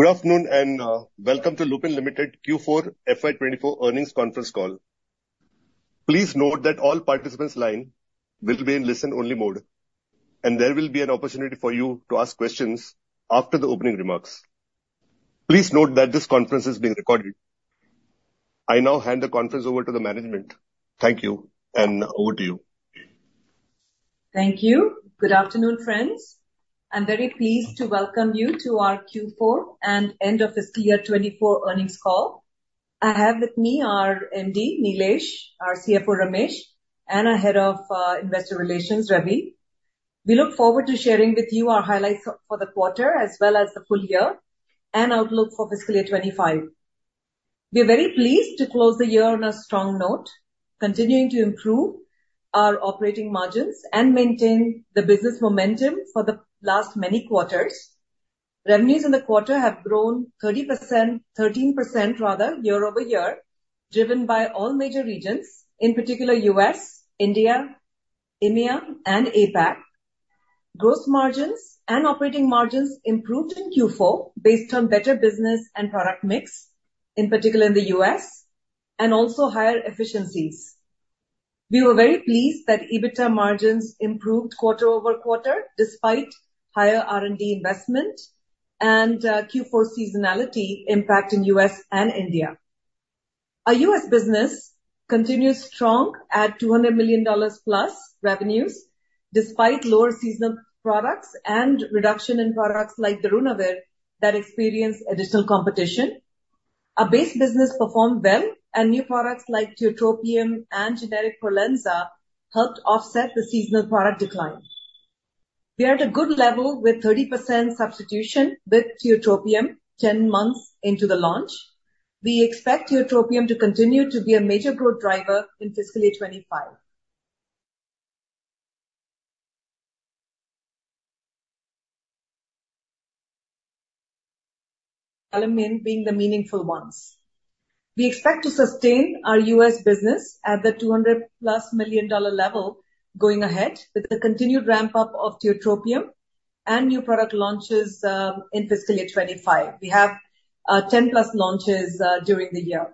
Good afternoon, and welcome to Lupin Limited Q4 FY 2024 earnings conference call. Please note that all participants' lines will be in listen-only mode, and there will be an opportunity for you to ask questions after the opening remarks. Please note that this conference is being recorded. I now hand the conference over to the management. Thank you, and over to you. Thank you. Good afternoon, friends. I'm very pleased to welcome you to our Q4 and end-of-fiscal year 2024 earnings call. I have with me our MD, Nilesh; our CFO, Ramesh; and our head of investor relations, Ravi. We look forward to sharing with you our highlights for the quarter as well as the full year and outlook for fiscal year 2025. We're very pleased to close the year on a strong note, continuing to improve our operating margins and maintain the business momentum for the last many quarters. Revenues in the quarter have grown 30%-13%, rather-year-over-year, driven by all major regions, in particular U.S., India, EMEA, and APAC. Gross margins and operating margins improved in Q4 based on better business and product mix, in particular in the U.S., and also higher efficiencies. We were very pleased that EBITDA margins improved quarter over quarter despite higher R&D investment and Q4 seasonality impact in U.S. and India. Our U.S. business continues strong at $200 million+ revenues despite lower seasonal products and reduction in products like Darunavir that experience additional competition. Our base business performed well, and new products like tiotropium and generic Prolensa helped offset the seasonal product decline. We're at a good level with 30% substitution with tiotropium 10 months into the launch. We expect tiotropium to continue to be a major growth driver in fiscal year 2025. Albuterol being the meaningful ones. We expect to sustain our U.S. business at the $200+ million level going ahead with the continued ramp-up of tiotropium and new product launches in fiscal year 2025. We have 10+ launches during the year.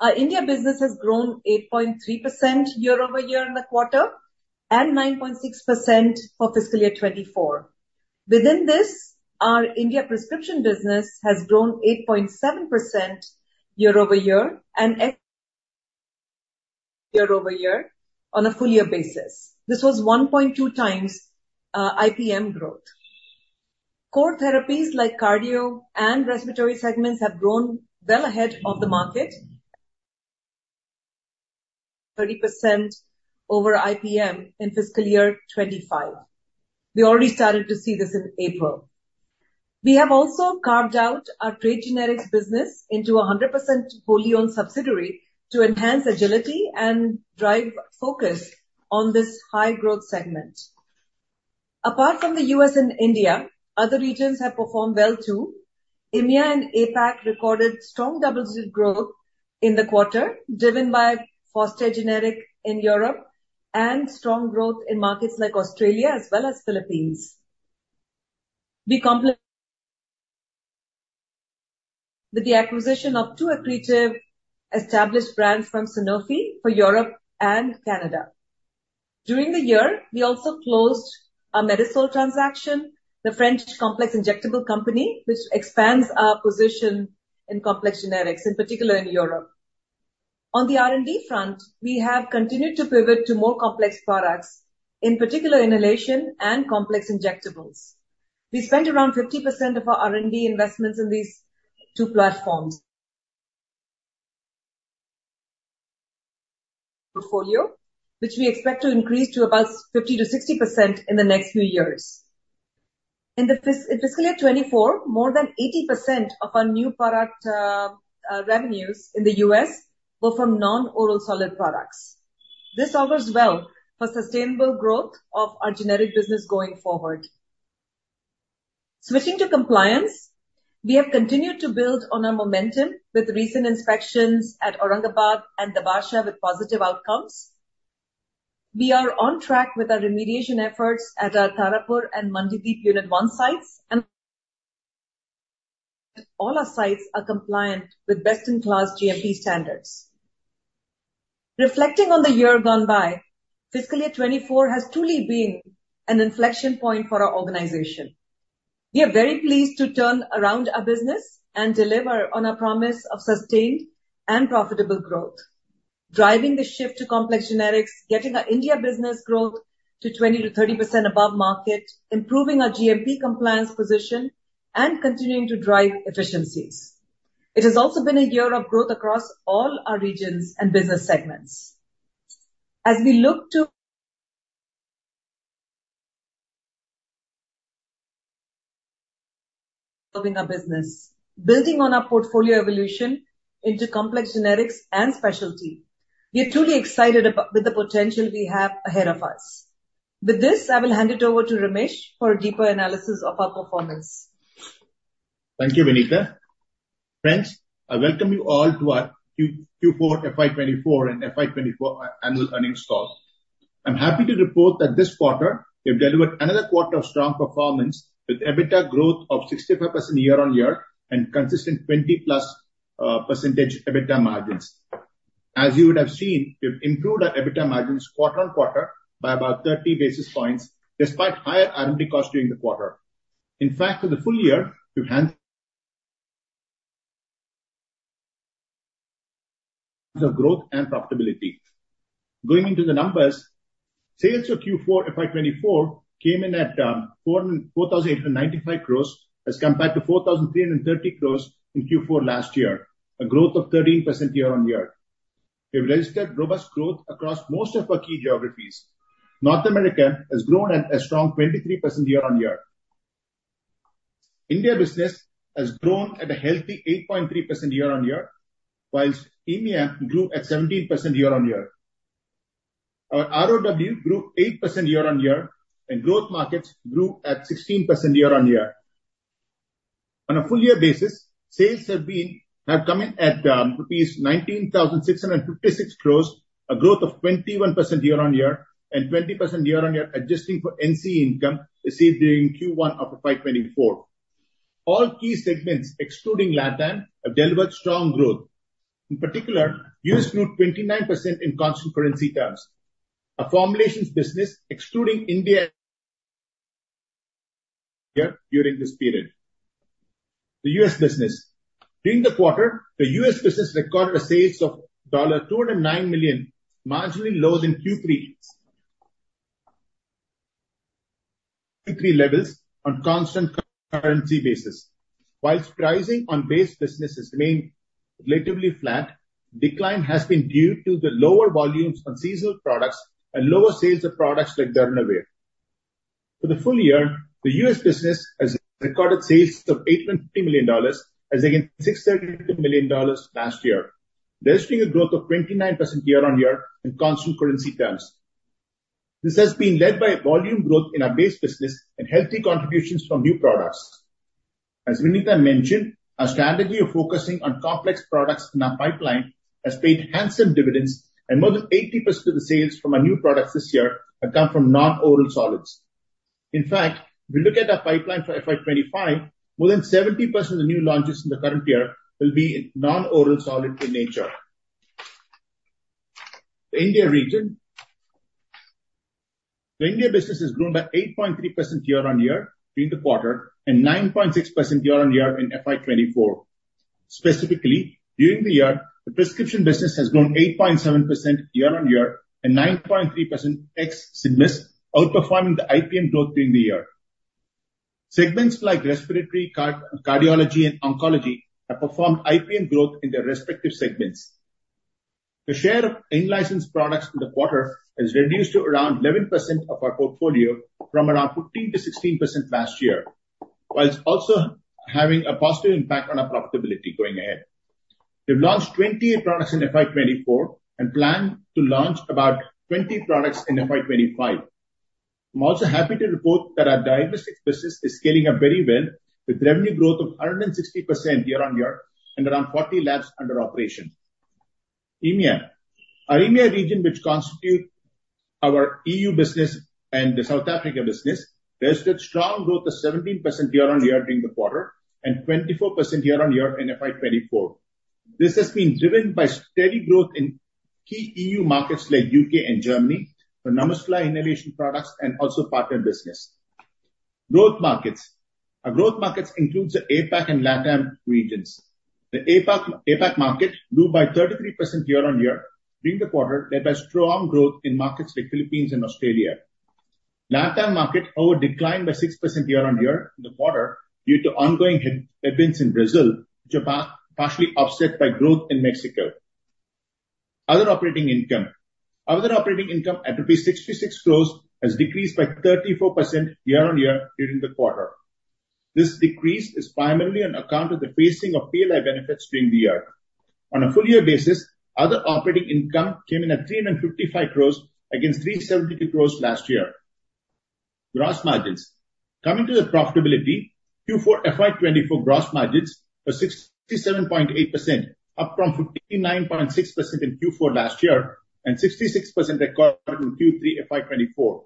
Our India business has grown 8.3% year-over-year in the quarter and 9.6% for fiscal year 2024. Within this, our India prescription business has grown 8.7% year-over-year and ex year-over-year on a full-year basis. This was 1.2 times IPM growth. Core therapies like cardio and respiratory segments have grown well ahead of the market, 30% over IPM in fiscal year 2025. We already started to see this in April. We have also carved out our trade generics business into a 100% wholly-owned subsidiary to enhance agility and drive focus on this high-growth segment. Apart from the U.S. and India, other regions have performed well, too. EMEA and APAC recorded strong double-digit growth in the quarter, driven by Fostair generic in Europe and strong growth in markets like Australia as well as Philippines. We complement with the acquisition of two accretive established brands from Sanofi for Europe and Canada. During the year, we also closed a Medisol transaction, the French complex injectable company, which expands our position in complex generics, in particular in Europe. On the R&D front, we have continued to pivot to more complex products, in particular inhalation and complex injectables. We spent around 50% of our R&D investments in these two platforms portfolio, which we expect to increase to about 50%-60% in the next few years. In the fiscal year 2024, more than 80% of our new product revenues in the U.S. were from non-oral solid products. This offers well for sustainable growth of our generic business going forward. Switching to compliance, we have continued to build on our momentum with recent inspections at Aurangabad and Dabhasa with positive outcomes. We are on track with our remediation efforts at our Tarapur and Mandideep unit-one sites, and all our sites are compliant with best-in-class GMP standards. Reflecting on the year gone by, fiscal year 2024 has truly been an inflection point for our organization. We are very pleased to turn around our business and deliver on our promise of sustained and profitable growth, driving the shift to complex generics, getting our India business growth to 20%-30% above market, improving our GMP compliance position, and continuing to drive efficiencies. It has also been a year of growth across all our regions and business segments. As we look to building our business, building on our portfolio evolution into complex generics and specialty, we are truly excited about the potential we have ahead of us. With this, I will hand it over to Ramesh for a deeper analysis of our performance. Thank you, Vinita. Friends, I welcome you all to our Q4 FY2024 and FY2024 annual earnings call. I'm happy to report that this quarter we have delivered another quarter of strong performance with EBITDA growth of 65% year-on-year and consistent 20-plus percentage EBITDA margins. As you would have seen, we've improved our EBITDA margins quarter-on-quarter by about 30 basis points despite higher R&D costs during the quarter. In fact, for the full year, we've handled of growth and profitability. Going into the numbers, sales for Q4 FY2024 came in at 4,895 crores as compared to 4,330 crores in Q4 last year, a growth of 13% year-on-year. We have registered robust growth across most of our key geographies. North America has grown at a strong 23% year-on-year. India business has grown at a healthy 8.3% year-on-year, while EMEA grew at 17% year-on-year. Our ROW grew 8% year-on-year, and growth markets grew at 16% year-on-year. On a full-year basis, sales have come in at rupees 19,656 crores, a growth of 21% year-on-year, and 20% year-on-year adjusting for NCE income received during Q1 of FY 2024. All key segments, excluding LATAM, have delivered strong growth. In particular, U.S. grew 29% in constant currency terms, a formulations business excluding India during this period. The U.S. business: during the quarter, the U.S. business recorded sales of $209 million, marginally lower than Q3 levels on a constant currency basis. While pricing on base businesses remained relatively flat, decline has been due to the lower volumes on seasonal products and lower sales of products like Darunavir. For the full year, the U.S. business has recorded sales of $850 million as against $632 million last year, registering a growth of 29% year on year in constant currency terms. This has been led by volume growth in our base business and healthy contributions from new products. As Vinita mentioned, our strategy of focusing on complex products in our pipeline has paid handsome dividends, and more than 80% of the sales from our new products this year have come from non-oral solids. In fact, if we look at our pipeline for FY 2025, more than 70% of the new launches in the current year will be non-oral solid in nature. The India region: the India business has grown by 8.3% year on year during the quarter and 9.6% year on year in FY 2024. Specifically, during the year, the prescription business has grown 8.7% year-over-year and 9.3% ex-Cidmus, outperforming the IPM growth during the year. Segments like respiratory, cardiology, and oncology have performed IPM growth in their respective segments. The share of in-license products in the quarter has reduced to around 11% of our portfolio from around 15%-16% last year, while also having a positive impact on our profitability going ahead. We've launched 28 products in FY 2024 and plan to launch about 20 products in FY 2025. I'm also happy to report that our diagnostics business is scaling up very well with revenue growth of 160% year-over-year and around 40 labs under operation. EMEA: our EMEA region, which constitutes our EU business and the South Africa business, registered strong growth of 17% year-over-year during the quarter and 24% year-over-year in FY 2024. This has been driven by steady growth in key EU markets like the U.K. and Germany for NaMuscla inhalation products and also partner business. Growth markets: our growth markets include the APAC and Latam regions. The APAC market grew by 33% year-on-year during the quarter, led by strong growth in markets like the Philippines and Australia. The Latam market, however, declined by 6% year-on-year in the quarter due to ongoing headwinds in Brazil, which are partially offset by growth in Mexico. Other operating income: our other operating income at INR 66 crores has decreased by 34% year-on-year during the quarter. This decrease is primarily on account of the facing of PLI benefits during the year. On a full-year basis, other operating income came in at 355 crores against 372 crores last year. Gross margins: coming to the profitability, Q4 FY 2024 gross margins were 67.8%, up from 59.6% in Q4 last year and 66% recorded in Q3 FY 2024.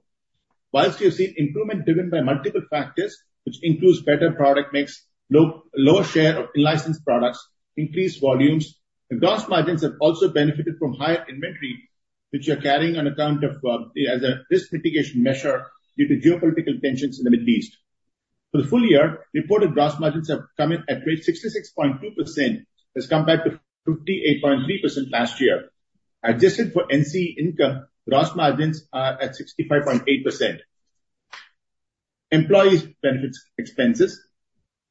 While we have seen improvement driven by multiple factors, which includes better product mix, lower share of in-license products, increased volumes, the gross margins have also benefited from higher inventory, which we are carrying on account of, as a risk mitigation measure due to geopolitical tensions in the Middle East. For the full year, reported gross margins have come in at 66.2% as compared to 58.3% last year. Adjusted for NC income, gross margins are at 65.8%. Employees' benefits expenses: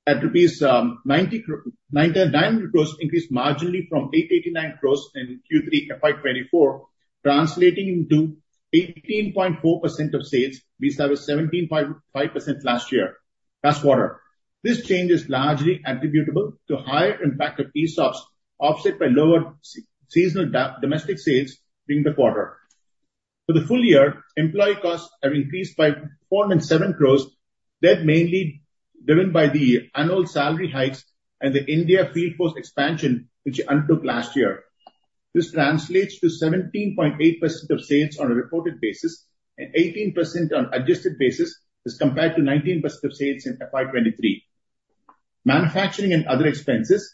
at rupees 90 crore increased marginally from 889 crore in Q3 FY 2024, translating into 18.4% of sales versus 17.5% last year last quarter. This change is largely attributable to higher impact of ESOPs offset by lower seasonal domestic sales during the quarter. For the full year, employee costs have increased by 4.7 crores, led mainly driven by the annual salary hikes and the India field force expansion, which we undertook last year. This translates to 17.8% of sales on a reported basis and 18% on an adjusted basis as compared to 19% of sales in FY 2023. Manufacturing and other expenses: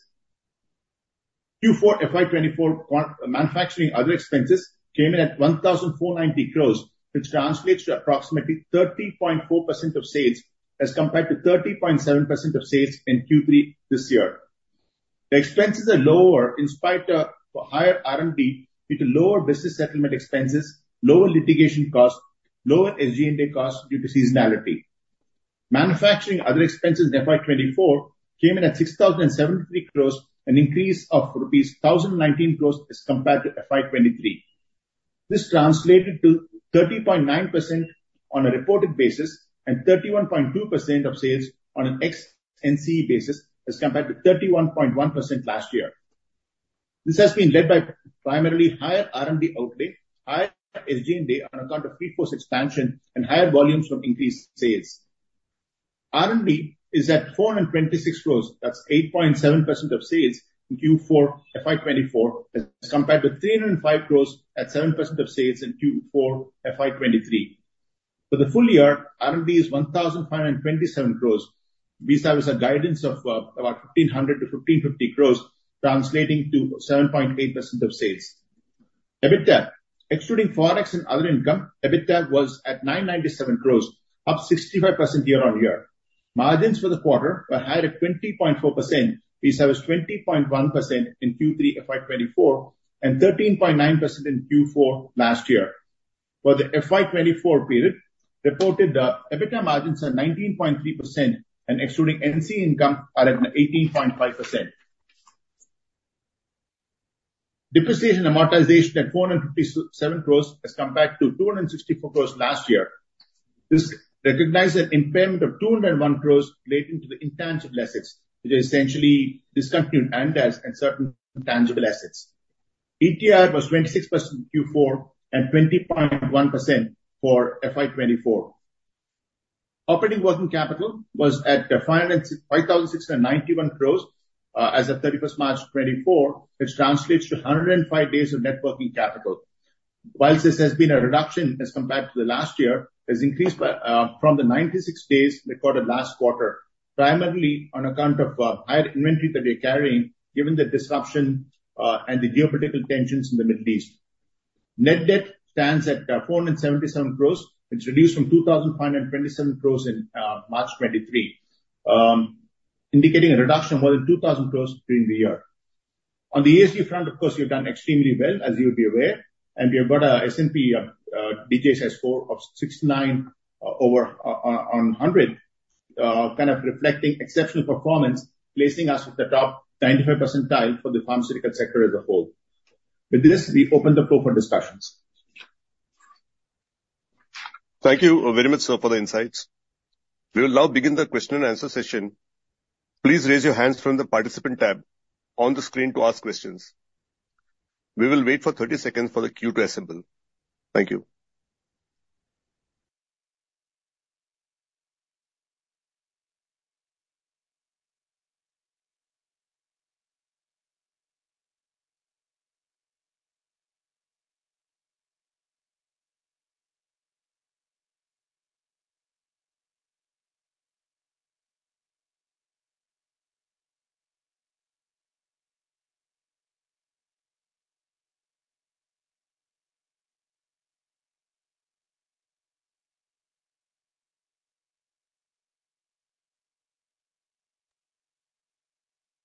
Q4 FY 2024 manufacturing and other expenses came in at 1,490 crores, which translates to approximately 30.4% of sales as compared to 30.7% of sales in Q3 this year. The expenses are lower in spite of higher R&D due to lower business settlement expenses, lower litigation costs, and lower SG&A costs due to seasonality. Manufacturing and other expenses in FY 2024 came in at 6,073 crores, an increase of INR 1,019 crores as compared to FY 2023. This translated to 30.9% on a reported basis and 31.2% of sales on an ex-NC basis as compared to 31.1% last year. This has been led by primarily higher R&D outlay, higher SG&A on account of field force expansion, and higher volumes from increased sales. R&D is at 426 crore. That's 8.7% of sales in Q4 FY 2024 as compared with 305 crore at 7% of sales in Q4 FY 2023. For the full year, R&D is 1,527 crore versus a guidance of about 1,500-1,550 crore, translating to 7.8% of sales. EBITDA: excluding forex and other income, EBITDA was at 997 crore, up 65% year-over-year. Margins for the quarter were higher at 20.4% versus 20.1% in Q3 FY 2024 and 13.9% in Q4 last year. For the FY 2024 period, reported, EBITDA margins are 19.3%, and excluding NC income, are at 18.5%. Depreciation amortization at 457 crores as compared to 264 crores last year. This recognized an impairment of 201 crores relating to the intangible assets, which are essentially discontinued NDAs and certain tangible assets. ETR was 26% in Q4 and 20.1% for FY 2024. Operating working capital was at 5,691 crores, as of March 31st 2024, which translates to 105 days of net working capital. While this has been a reduction as compared to the last year, it has increased by, from the 96 days recorded last quarter, primarily on account of, higher inventory that we are carrying given the disruption, and the geopolitical tensions in the Middle East. Net debt stands at, 477 crores. It's reduced from 2,527 crores in, March 2023, indicating a reduction of more than 2,000 crores during the year. On the ESG front, of course, we have done extremely well, as you would be aware, and we have got a S&P DJI score of 69 over 100, kind of reflecting exceptional performance, placing us at the top 95th percentile for the pharmaceutical sector as a whole. With this, we open the floor for discussions. Thank you, Vinita, sir, for the insights. We will now begin the question-and-answer session. Please raise your hands from the participant tab on the screen to ask questions. We will wait for 30 seconds for the queue to assemble. Thank you.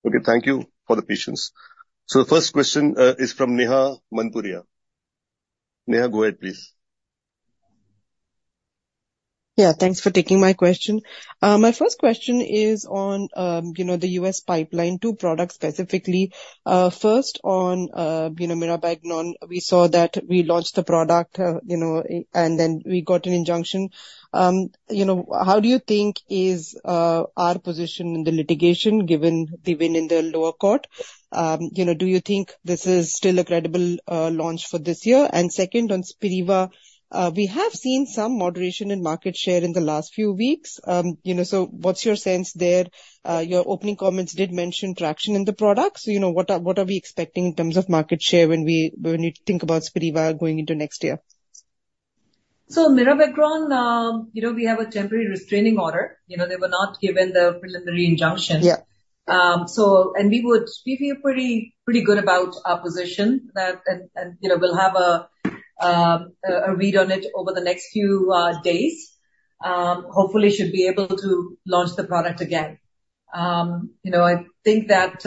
Okay, thank you for the patience. The first question is from Neha Manpuria. Neha, go ahead, please. Yeah, thanks for taking my question. My first question is on, you know, the U.S. pipeline, two products specifically. First on, you know, Mirabegron, we saw that we launched the product, you know, and then we got an injunction. You know, how do you think is our position in the litigation given the win in the lower court? You know, do you think this is still a credible launch for this year? And second, on Spiriva, we have seen some moderation in market share in the last few weeks. You know, so what's your sense there? Your opening comments did mention traction in the product, so, you know, what are we expecting in terms of market share when you think about Spiriva going into next year? Mirabegron, you know, we have a temporary restraining order. You know, they were not given the preliminary injunction. Yeah. So, we feel pretty good about our position, and, you know, we'll have a read on it over the next few days. Hopefully, we should be able to launch the product again. You know, I think that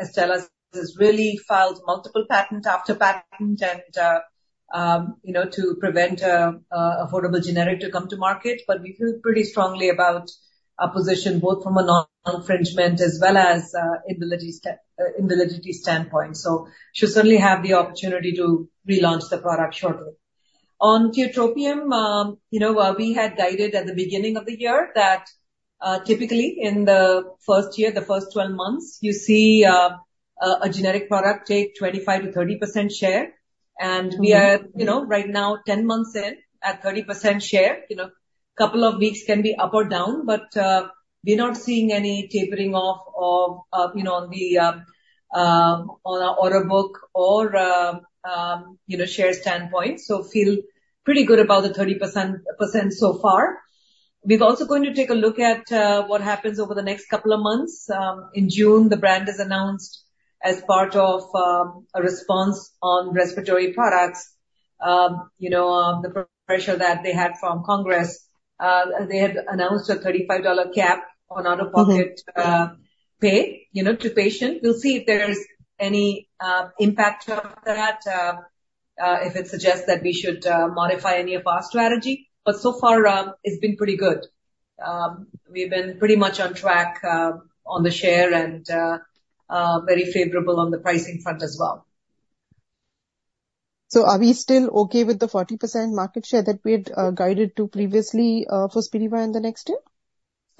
Astellas has really filed multiple patents after patent, and, you know, to prevent an affordable generic to come to market, but we feel pretty strongly about our position both from a non-infringement as well as invalidity standpoint. So we should certainly have the opportunity to relaunch the product shortly. On Tiotropium, you know, we had guided at the beginning of the year that, typically, in the first year, the first 12 months, you see a generic product take 25%-30% share. And we are, you know, right now, 10 months in, at 30% share. You know, a couple of weeks can be up or down, but we're not seeing any tapering off of, you know, on the, on our order book or, you know, share standpoint, so we feel pretty good about the 30% so far. We're also going to take a look at what happens over the next couple of months. In June, the brand has announced, as part of a response on respiratory products, you know, the pressure that they had from Congress, they had announced a $35 cap on out-of-pocket pay, you know, to patients. We'll see if there's any impact of that, if it suggests that we should modify any of our strategy. But so far, it's been pretty good. We've been pretty much on track on the share and very favorable on the pricing front as well. Are we still okay with the 40% market share that we had, guided to previously, for Spiriva in the next year?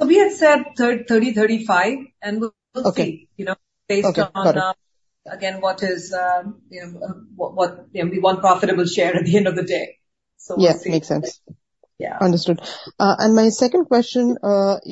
So we had said 30, 35, and we'll see, you know, based on, again, what is, you know, what, what you know, we want profitable share at the end of the day, so we'll see. Yeah, makes sense. Yeah. Understood. My second question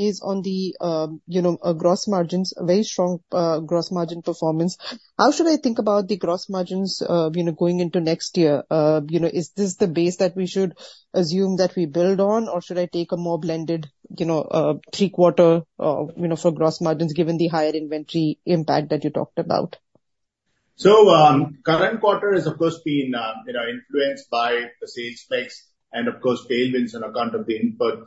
is on the, you know, gross margins, a very strong, gross margin performance. How should I think about the gross margins, you know, going into next year? You know, is this the base that we should assume that we build on, or should I take a more blended, you know, three-quarter, you know, for gross margins given the higher inventory impact that you talked about? So, current quarter has, of course, been, you know, influenced by the sales spikes and, of course, tailwinds on account of the input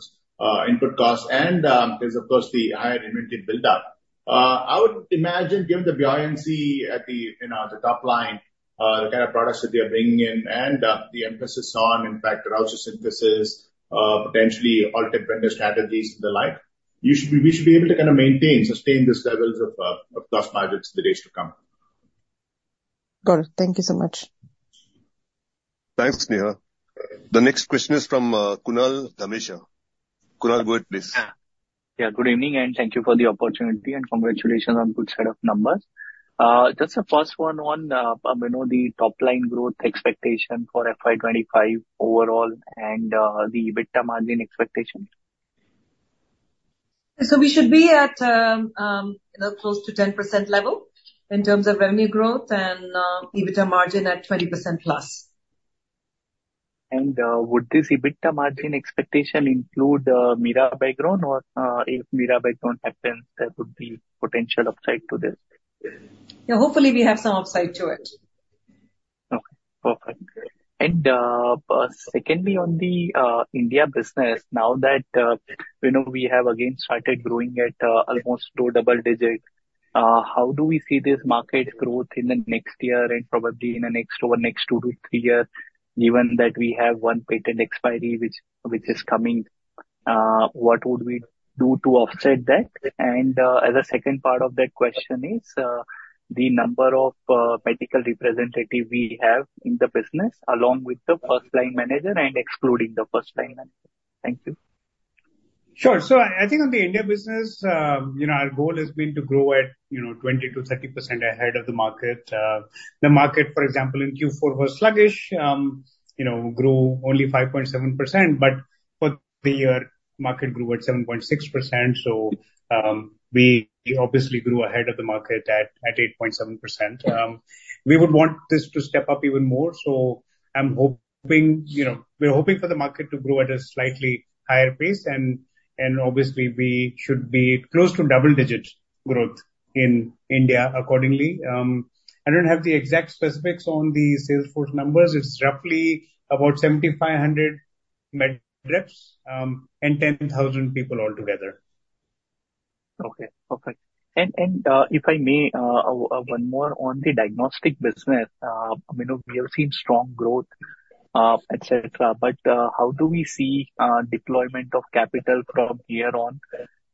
costs, and, there's, of course, the higher inventory buildup. I would imagine, given the buoyancy at the, you know, the top line, the kind of products that they are bringing in and, the emphasis on, in fact, route synthesis, potentially alternate vendor strategies and the like, we should be able to kind of maintain, sustain these levels of gross margins in the days to come. Got it. Thank you so much. Thanks, Neha. The next question is from Kunal Dhamesha. Kunal, go ahead, please. Yeah. Yeah, good evening, and thank you for the opportunity, and congratulations on a good set of numbers. Just the first one on, you know, the top-line growth expectation for FY 2025 overall and, the EBITDA margin expectation. We should be at, you know, close to 10% level in terms of revenue growth and EBITDA margin at 20% plus. Would this EBITDA margin expectation include Mirabegron, or, if Mirabegron happens, there would be potential upside to this? Yeah, hopefully, we have some upside to it. Okay, perfect. And, secondly, on the India business, now that, you know, we have again started growing at almost low double-digit, how do we see this market growth in the next year and probably in the next over the next two to three years, given that we have one patent expiry, which, which is coming? What would we do to offset that? And, as a second part of that question is, the number of medical representatives we have in the business along with the first-line manager and excluding the first-line manager. Thank you. Sure. So I think on the India business, you know, our goal has been to grow at, you know, 20%-30% ahead of the market. The market, for example, in Q4 was sluggish, you know, grew only 5.7%, but for the year, the market grew at 7.6%, so we obviously grew ahead of the market at 8.7%. We would want this to step up even more, so I'm hoping, you know, we're hoping for the market to grow at a slightly higher pace, and obviously, we should be close to double-digit growth in India accordingly. I don't have the exact specifics on the sales force numbers. It's roughly about 7,500 med reps, and 10,000 people altogether. Okay, perfect. And, if I may, one more on the diagnostic business, you know, we have seen strong growth, etc., but how do we see deployment of capital from here on?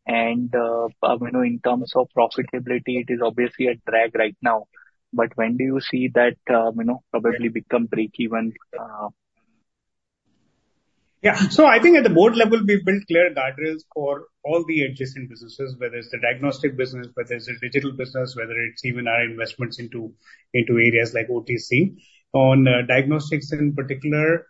And, you know, in terms of profitability, it is obviously a drag right now, but when do you see that, you know, probably become breakeven? Yeah, so I think at the board level, we've built clear guardrails for all the adjacent businesses, whether it's the diagnostic business, whether it's the digital business, whether it's even our investments into areas like OTC. On diagnostics in particular,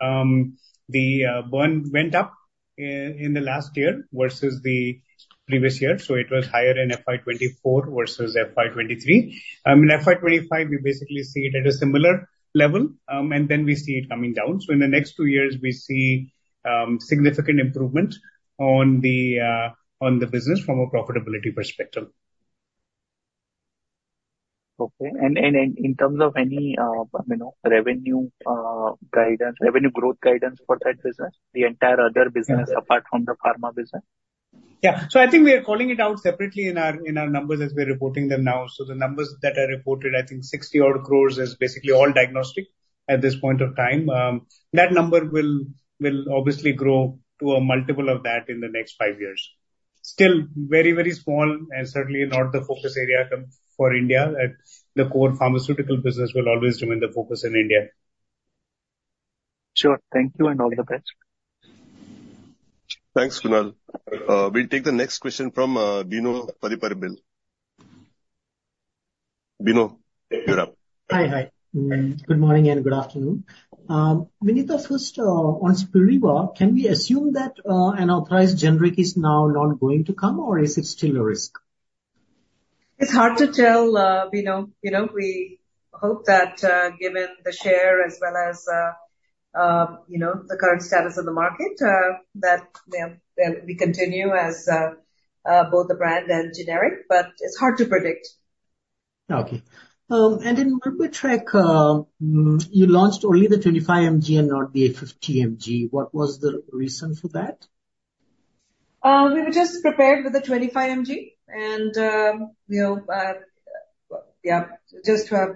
the burn went up in the last year versus the previous year, so it was higher in FY 2024 versus FY 2023. In FY 2025, we basically see it at a similar level, and then we see it coming down. So in the next 2 years, we see significant improvement on the business from a profitability perspective. Okay. And in terms of any, you know, revenue guidance, revenue growth guidance for that business, the entire other business apart from the pharma business? Yeah, so I think we are calling it out separately in our numbers as we're reporting them now. So the numbers that are reported, I think 60-odd crore is basically all diagnostics at this point of time. That number will obviously grow to a multiple of that in the next five years. Still very, very small and certainly not the focus area for India. The core pharmaceutical business will always remain the focus in India. Sure. Thank you and all the best. Thanks, Kunal. We'll take the next question from Bino Pathiparampil. Bino, you're up. Hi, hi. Good morning and good afternoon. Vinita, first, on Spiriva, can we assume that, an authorized generic is now not going to come, or is it still a risk? It's hard to tell, Bino. You know, we hope that, given the share as well as, you know, the current status of the market, that, you know, that we continue as, both the brand and generic, but it's hard to predict. Okay. In Myrbetriq, you launched only the 25 mg and not the 50 mg. What was the reason for that? We were just prepared with the 25 mg, and, you know, yeah, just to have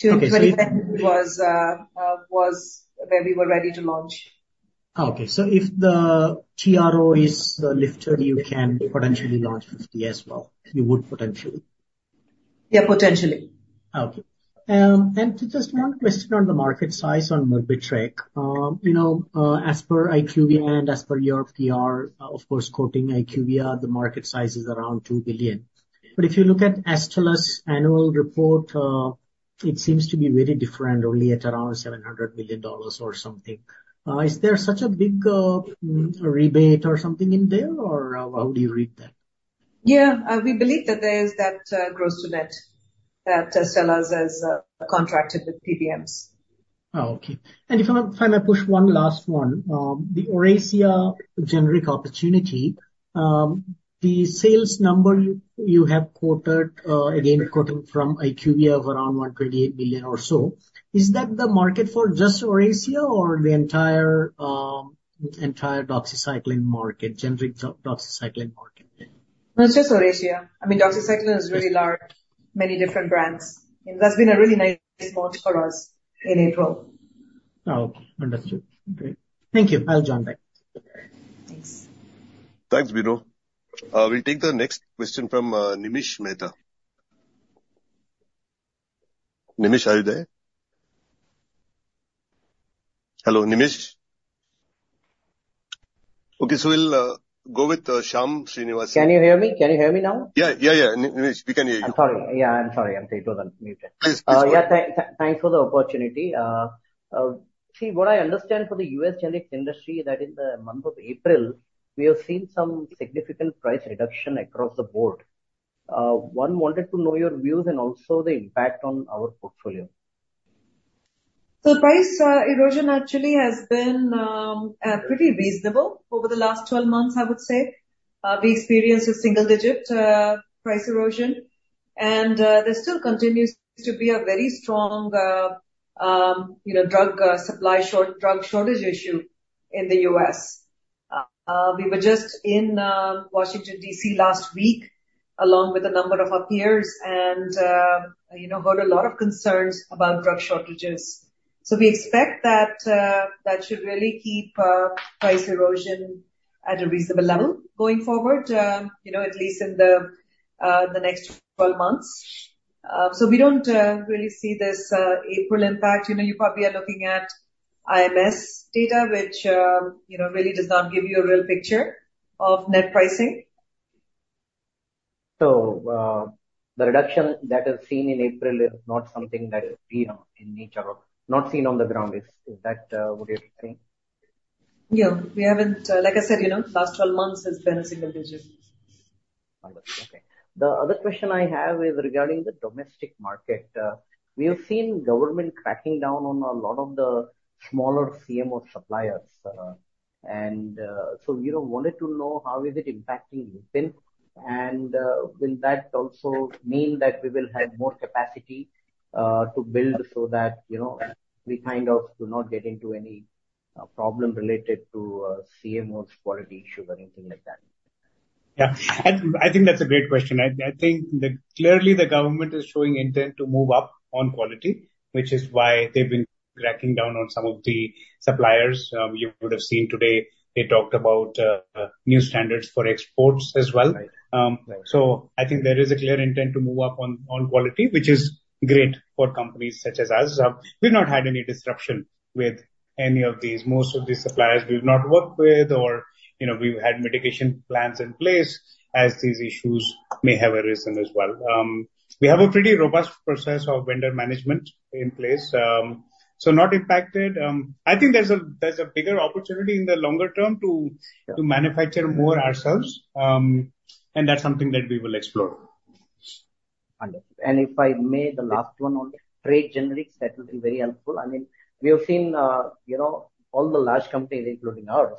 20 mg was where we were ready to launch. Okay. So if the TRO is lifted, you can potentially launch 50 as well? You would potentially? Yeah, potentially. Okay. And just one question on the market size on Myrbetriq. You know, as per IQVIA and as per your PR, of course, quoting IQVIA, the market size is around $2 billion. But if you look at Astellas's annual report, it seems to be very different, only at around $700 million or something. Is there such a big rebate or something in there, or how do you read that? Yeah, we believe that there is that gross to net that Astellas has contracted with PBMs. Oh, okay. And if I may push one last one, the Oracea generic opportunity, the sales number you, you have quoted, again, quoting from IQVIA of around $128 million or so, is that the market for just Oracea or the entire, entire doxycycline market, generic doxycycline market? No, it's just Oracea. I mean, doxycycline is really large, many different brands. You know, that's been a really nice launch for us in April. Oh, okay. Understood. Great. Thank you. I'll join back. Thanks. Thanks, Bino. We'll take the next question from Nimish Mehta. Nimish, are you there? Hello, Nimish? Okay, so we'll go with Shyam Srinivasan. Can you hear me? Can you hear me now? Yeah, yeah, yeah. Nimish, we can hear you. I'm sorry. Yeah, I'm sorry. I'm thinking it was unmuted. Please, please. Yeah, thanks for the opportunity. See, what I understand for the U.S. generics industry is that in the month of April, we have seen some significant price reduction across the board. One wanted to know your views and also the impact on our portfolio. So the price erosion actually has been pretty reasonable over the last 12 months, I would say. We experienced a single-digit price erosion, and there still continues to be a very strong, you know, drug supply shortage issue in the U.S.. We were just in Washington, D.C. last week along with a number of our peers and, you know, heard a lot of concerns about drug shortages. So we expect that that should really keep price erosion at a reasonable level going forward, you know, at least in the next 12 months. So we don't really see this April impact. You know, you probably are looking at IMS data, which, you know, really does not give you a real picture of net pricing. So, the reduction that is seen in April is not something that we, you know, in nature of not seen on the ground. Is that what you're saying? Yeah, we haven't, like I said, you know, the last 12 months has been a single-digit. Understood. Okay. The other question I have is regarding the domestic market. We have seen government cracking down on a lot of the smaller CMO suppliers, and so you know, wanted to know how is it impacting Lupin, and will that also mean that we will have more capacity to build so that you know, we kind of do not get into any problem related to CMOs' quality issues or anything like that? Yeah, and I think that's a great question. I, I think that clearly the government is showing intent to move up on quality, which is why they've been cracking down on some of the suppliers. You would have seen today they talked about new standards for exports as well. So I think there is a clear intent to move up on quality, which is great for companies such as us. We've not had any disruption with any of these. Most of these suppliers we've not worked with or, you know, we've had mitigation plans in place as these issues may have arisen as well. We have a pretty robust process of vendor management in place, so not impacted. I think there's a bigger opportunity in the longer term to manufacture more ourselves, and that's something that we will explore. Understood. And if I may, the last one only, trade generics, that will be very helpful. I mean, we have seen, you know, all the large companies, including ours,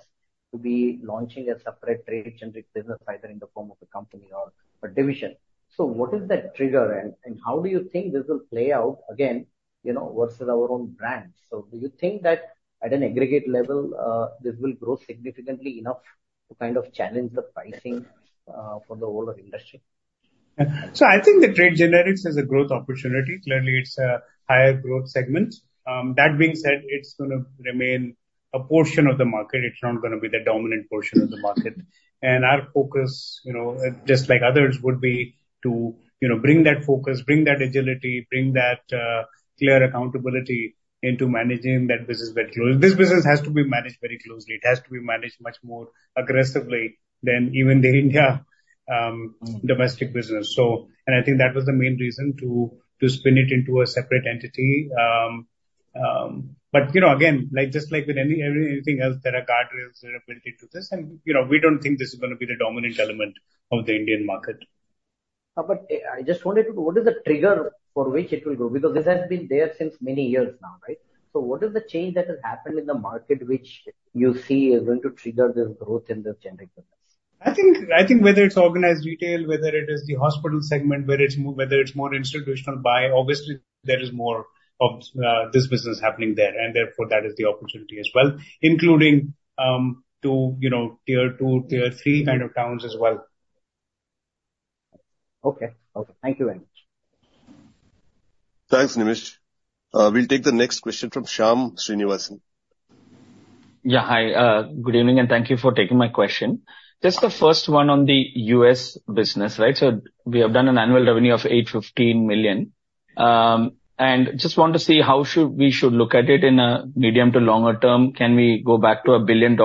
to be launching a separate trade generic business either in the form of a company or a division. So what is that trigger, and how do you think this will play out again, you know, versus our own brands? So do you think that at an aggregate level, this will grow significantly enough to kind of challenge the pricing, for the whole industry? Yeah, so I think the trade generics is a growth opportunity. Clearly, it's a higher growth segment. That being said, it's going to remain a portion of the market. It's not going to be the dominant portion of the market. And our focus, you know, just like others, would be to, you know, bring that focus, bring that agility, bring that clear accountability into managing that business very closely. This business has to be managed very closely. It has to be managed much more aggressively than even the Indian domestic business. So and I think that was the main reason to spin it into a separate entity. But, you know, again, like just like with any, every anything else, there are guardrails that are built into this, and, you know, we don't think this is going to be the dominant element of the Indian market. I just wanted to know, what is the trigger for which it will grow? Because this has been there since many years now, right? What is the change that has happened in the market which you see is going to trigger this growth in this generic business? I think whether it's organized retail, whether it is the hospital segment, whether it's more institutional buy, obviously there is more of this business happening there, and therefore that is the opportunity as well, including to you know tier two, tier three kind of towns as well. Okay, okay. Thank you very much. Thanks, Nimish. We'll take the next question from Shyam Srinivasan. Yeah, hi. Good evening, and thank you for taking my question. Just the first one on the US business, right? So we have done an annual revenue of $815 million. And just want to see how should we should look at it in a medium to longer term. Can we go back to $1 billion,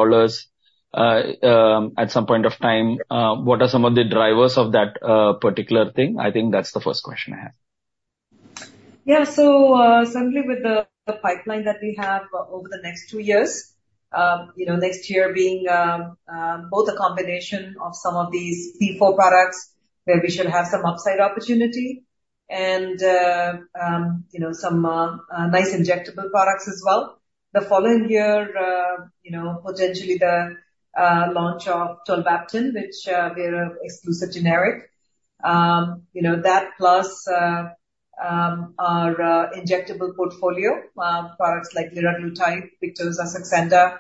at some point of time? What are some of the drivers of that, particular thing? I think that's the first question I have. Yeah, so certainly with the pipeline that we have over the next two years, you know, next year being both a combination of some of these C4 products where we should have some upside opportunity and, you know, some nice injectable products as well. The following year, you know, potentially the launch of tolvaptan, which we're an exclusive generic. You know, that plus our injectable portfolio, products like liraglutide, Victoza, Saxenda,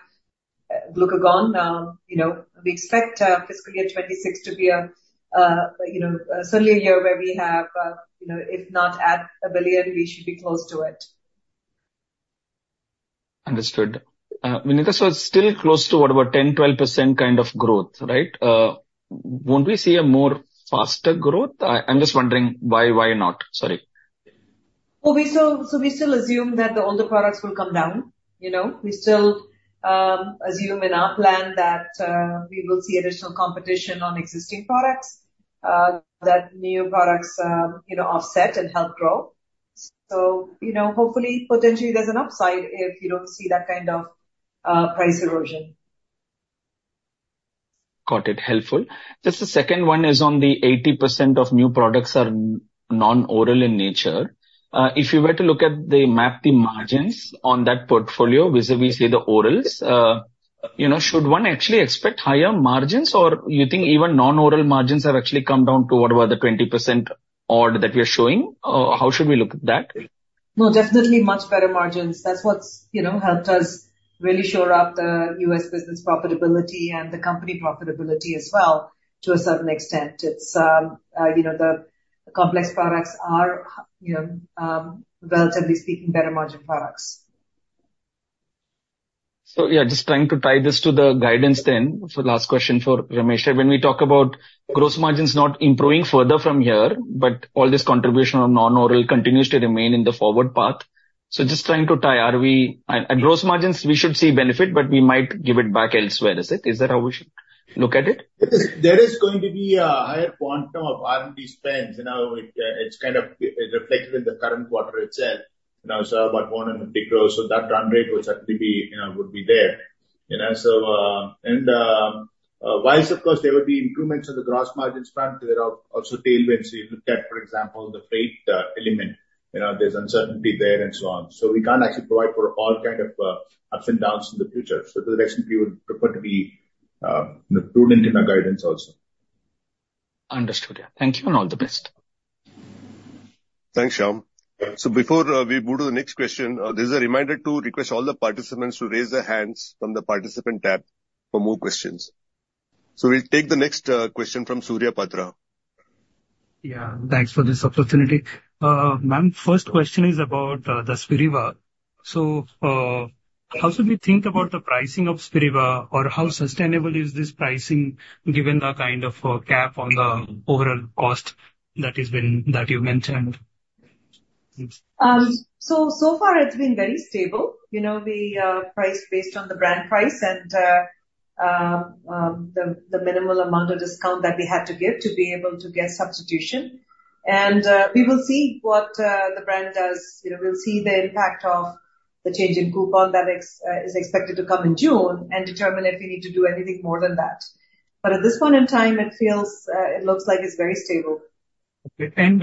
glucagon, you know, we expect fiscal year 2026 to be a, you know, certainly a year where we have, you know, if not at $1 billion, we should be close to it. Understood. Vinita, so it's still close to what about 10%-12% kind of growth, right? Won't we see a more faster growth? I'm just wondering why, why not? Sorry. Well, we still assume that the older products will come down, you know? We still assume in our plan that we will see additional competition on existing products, that new products, you know, offset and help grow. So, you know, hopefully, potentially, there's an upside if you don't see that kind of price erosion. Got it. Helpful. Just the second one is on the 80% of new products are non-oral in nature. If you were to look at the map the margins on that portfolio vis-à-vis the orals, you know, should one actually expect higher margins, or you think even non-oral margins have actually come down to what about the 20% odd that we are showing? How should we look at that? No, definitely much better margins. That's what's, you know, helped us really shore up the U.S. business profitability and the company profitability as well to a certain extent. It's, you know, the complex products are, you know, relatively speaking, better margin products. So yeah, just trying to tie this to the guidance then, so last question for Ramesh. When we talk about gross margins not improving further from here, but all this contribution of non-oral continues to remain in the forward path, so just trying to tie, are we at gross margins, we should see benefit, but we might give it back elsewhere, is it? Is that how we should look at it? There is going to be a higher quantum of R&D spends, you know? It's kind of reflected in the current quarter itself, you know? So about 150 gross. So that run rate will certainly be, you know, would be there, you know? So, and while, of course, there will be improvements on the gross margins front, there are also tailwinds. You looked at, for example, the freight element. You know, there's uncertainty there and so on. So we can't actually provide for all kind of ups and downs in the future. So to that extent, we would prefer to be prudent in our guidance also. Understood, yeah. Thank you, and all the best. Thanks, Shyam. So before we move to the next question, there's a reminder to request all the participants to raise their hands from the participant tab for more questions. So we'll take the next question from Surya Patra. Yeah, thanks for this opportunity. Ma'am, first question is about the Spiriva. So, how should we think about the pricing of Spiriva, or how sustainable is this pricing given the kind of cap on the overall cost that has been that you mentioned? So far, it's been very stable. You know, we priced based on the brand price and the minimal amount of discount that we had to give to be able to get substitution. And we will see what the brand does. You know, we'll see the impact of the change in coupon that is expected to come in June and determine if we need to do anything more than that. But at this point in time, it feels it looks like it's very stable. Okay. And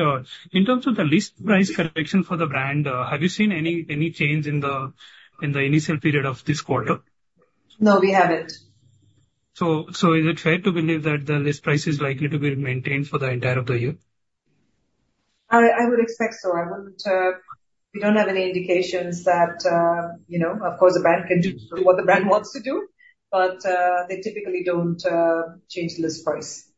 in terms of the list price correction for the brand, have you seen any change in the initial period of this quarter? No, we haven't. So, is it fair to believe that the list price is likely to be maintained for the entirety of the year? I would expect so. I wouldn't, we don't have any indications that, you know, of course, a bank can do what the brand wants to do, but they typically don't change list price.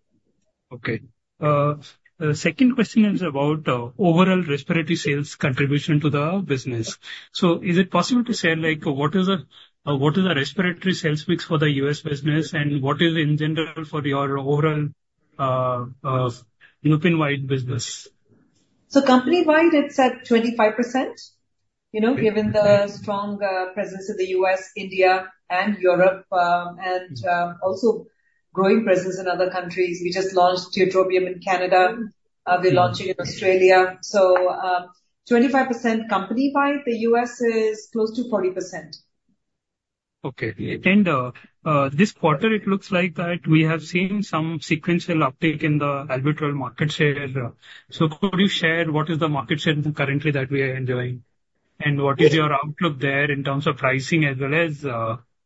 Okay. The second question is about overall respiratory sales contribution to the business. So is it possible to say, like, what is the respiratory sales mix for the U.S. business, and what is, in general, for your overall, Lupin-wide business? So company-wide, it's at 25%, you know, given the strong presence in the U.S., India, and Europe, and also growing presence in other countries. We just launched tiotropium in Canada. We're launching in Australia. So, 25% company-wide. The U.S. is close to 40%. Okay. And, this quarter, it looks like that we have seen some sequential uptake in the Albuterol market share. So could you share what is the market share currently that we are enjoying, and what is your outlook there in terms of pricing as well as,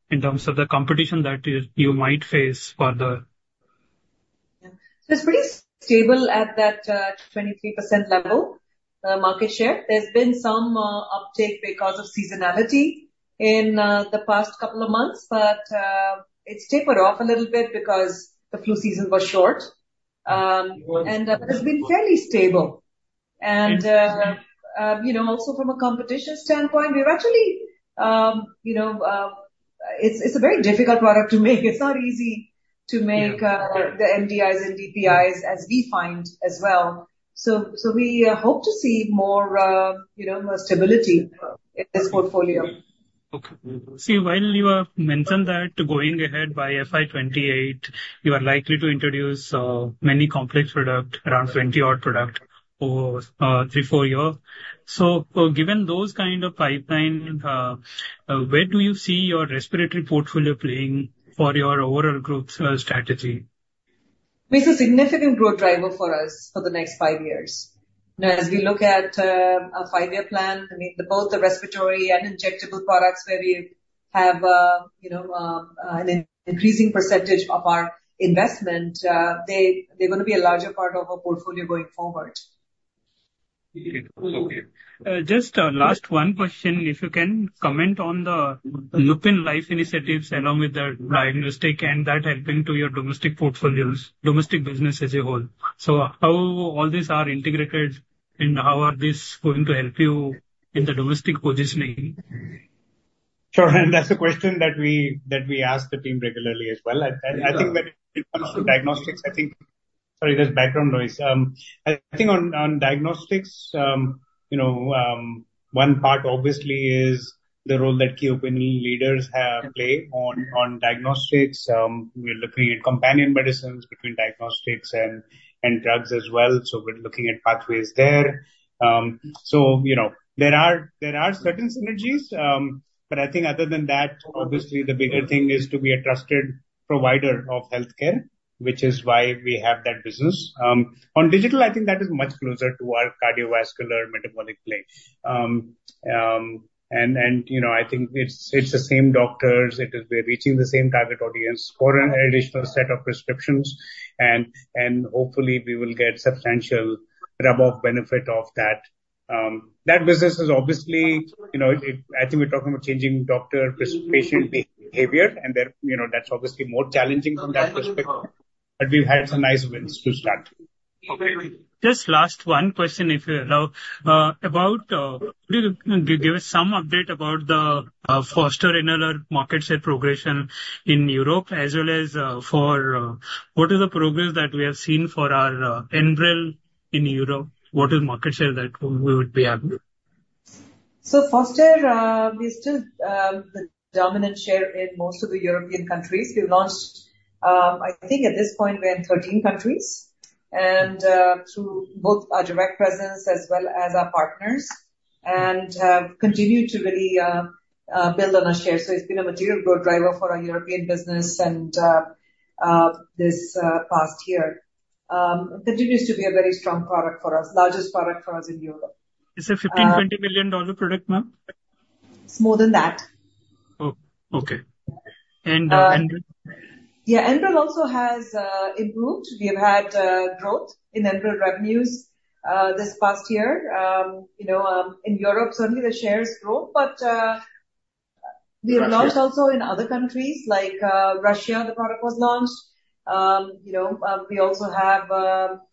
in terms of the competition that you might face for the? Yeah, so it's pretty stable at that 23% level, market share. There's been some uptake because of seasonality in the past couple of months, but it's tapered off a little bit because the flu season was short. But it's been fairly stable. And you know, also from a competition standpoint, we've actually, you know, it's a very difficult product to make. It's not easy to make the MDIs and DPIs as we find as well. So we hope to see more, you know, more stability in this portfolio. Okay. See, while you have mentioned that going ahead by FY 2028, you are likely to introduce many complex products, around 20-odd products over three, four years. So, given those kind of pipeline, where do you see your respiratory portfolio playing for your overall growth strategy? It's a significant growth driver for us for the next five years. Now, as we look at, a five-year plan, I mean, both the respiratory and injectable products where we have, you know, an increasing percentage of our investment, they, they're going to be a larger part of our portfolio going forward. Okay. Okay. Just, last one question, if you can, comment on the Lupin Life initiatives along with the diagnostics and that helping to your domestic portfolios, domestic business as a whole. So how all these are integrated, and how are these going to help you in the domestic positioning? Sure. And that's a question that we ask the team regularly as well. I think when it comes to diagnostics. Sorry, there's background noise. I think on diagnostics, you know, one part obviously is the role that key opinion leaders have played on diagnostics. We're looking at companion medicines between diagnostics and drugs as well. So we're looking at pathways there. So, you know, there are certain synergies, but I think other than that, obviously, the bigger thing is to be a trusted provider of healthcare, which is why we have that business. On digital, I think that is much closer to our cardiovascular metabolic play. And, you know, I think it's the same doctors. It is, we're reaching the same target audience for an additional set of prescriptions, and hopefully, we will get substantial rub-off benefit of that. That business is obviously, you know, it. I think we're talking about changing doctor prescribing patient behavior, and they're, you know, that's obviously more challenging from that perspective. But we've had some nice wins to start. Okay. Just last one question, if you allow, about, could you give us some update about the, Fostair inhaler market share progression in Europe as well as, for, what is the progress that we have seen for our, Enbrel in Europe? What is market share that we would be happy? So, Fostair, we still, the dominant share in most of the European countries. We've launched, I think at this point, we're in 13 countries, and, through both our direct presence as well as our partners, and have continued to really build on our share. So it's been a material growth driver for our European business and this past year. It continues to be a very strong product for us, largest product for us in Europe. Is it a $15 million-$20 million product, ma'am? It's more than that. Oh, okay. And, Enbrel? Yeah, Enbrel also has improved. We have had growth in Enbrel revenues this past year. You know, in Europe, certainly, the shares grow, but we have launched also in other countries, like Russia, the product was launched. You know, we also have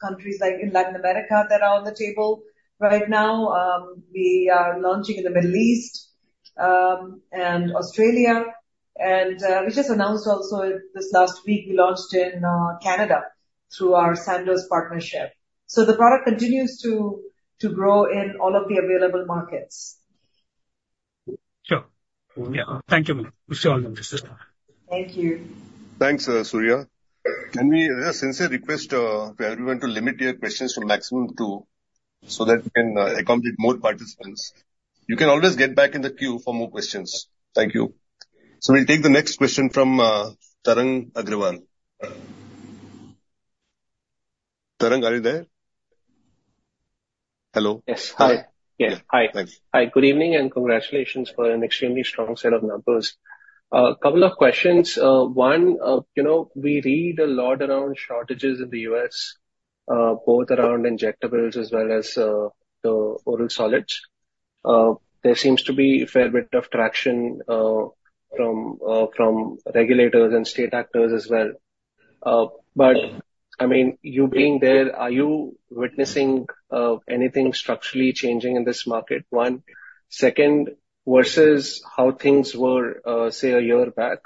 countries like in Latin America that are on the table right now. We are launching in the Middle East and Australia. We just announced also this last week, we launched in Canada through our Sandoz partnership. So the product continues to grow in all of the available markets. Sure. Yeah, thank you, ma'am. We see all the interested partners. Thank you. Thanks, Surya. Can we sincerely request everyone to limit your questions to maximum two so that we can accommodate more participants? You can always get back in the queue for more questions. Thank you. So we'll take the next question from Tarang Agrawal. Tarang, are you there? Hello? Yes. Hi. Yeah, hi. Thanks. Hi. Good evening, and congratulations for an extremely strong set of numbers. Couple of questions. One, you know, we read a lot around shortages in the U.S., both around injectables as well as the oral solids. There seems to be a fair bit of traction from regulators and state actors as well. But, I mean, you being there, are you witnessing anything structurally changing in this market? One. Second, versus how things were, say, a year back,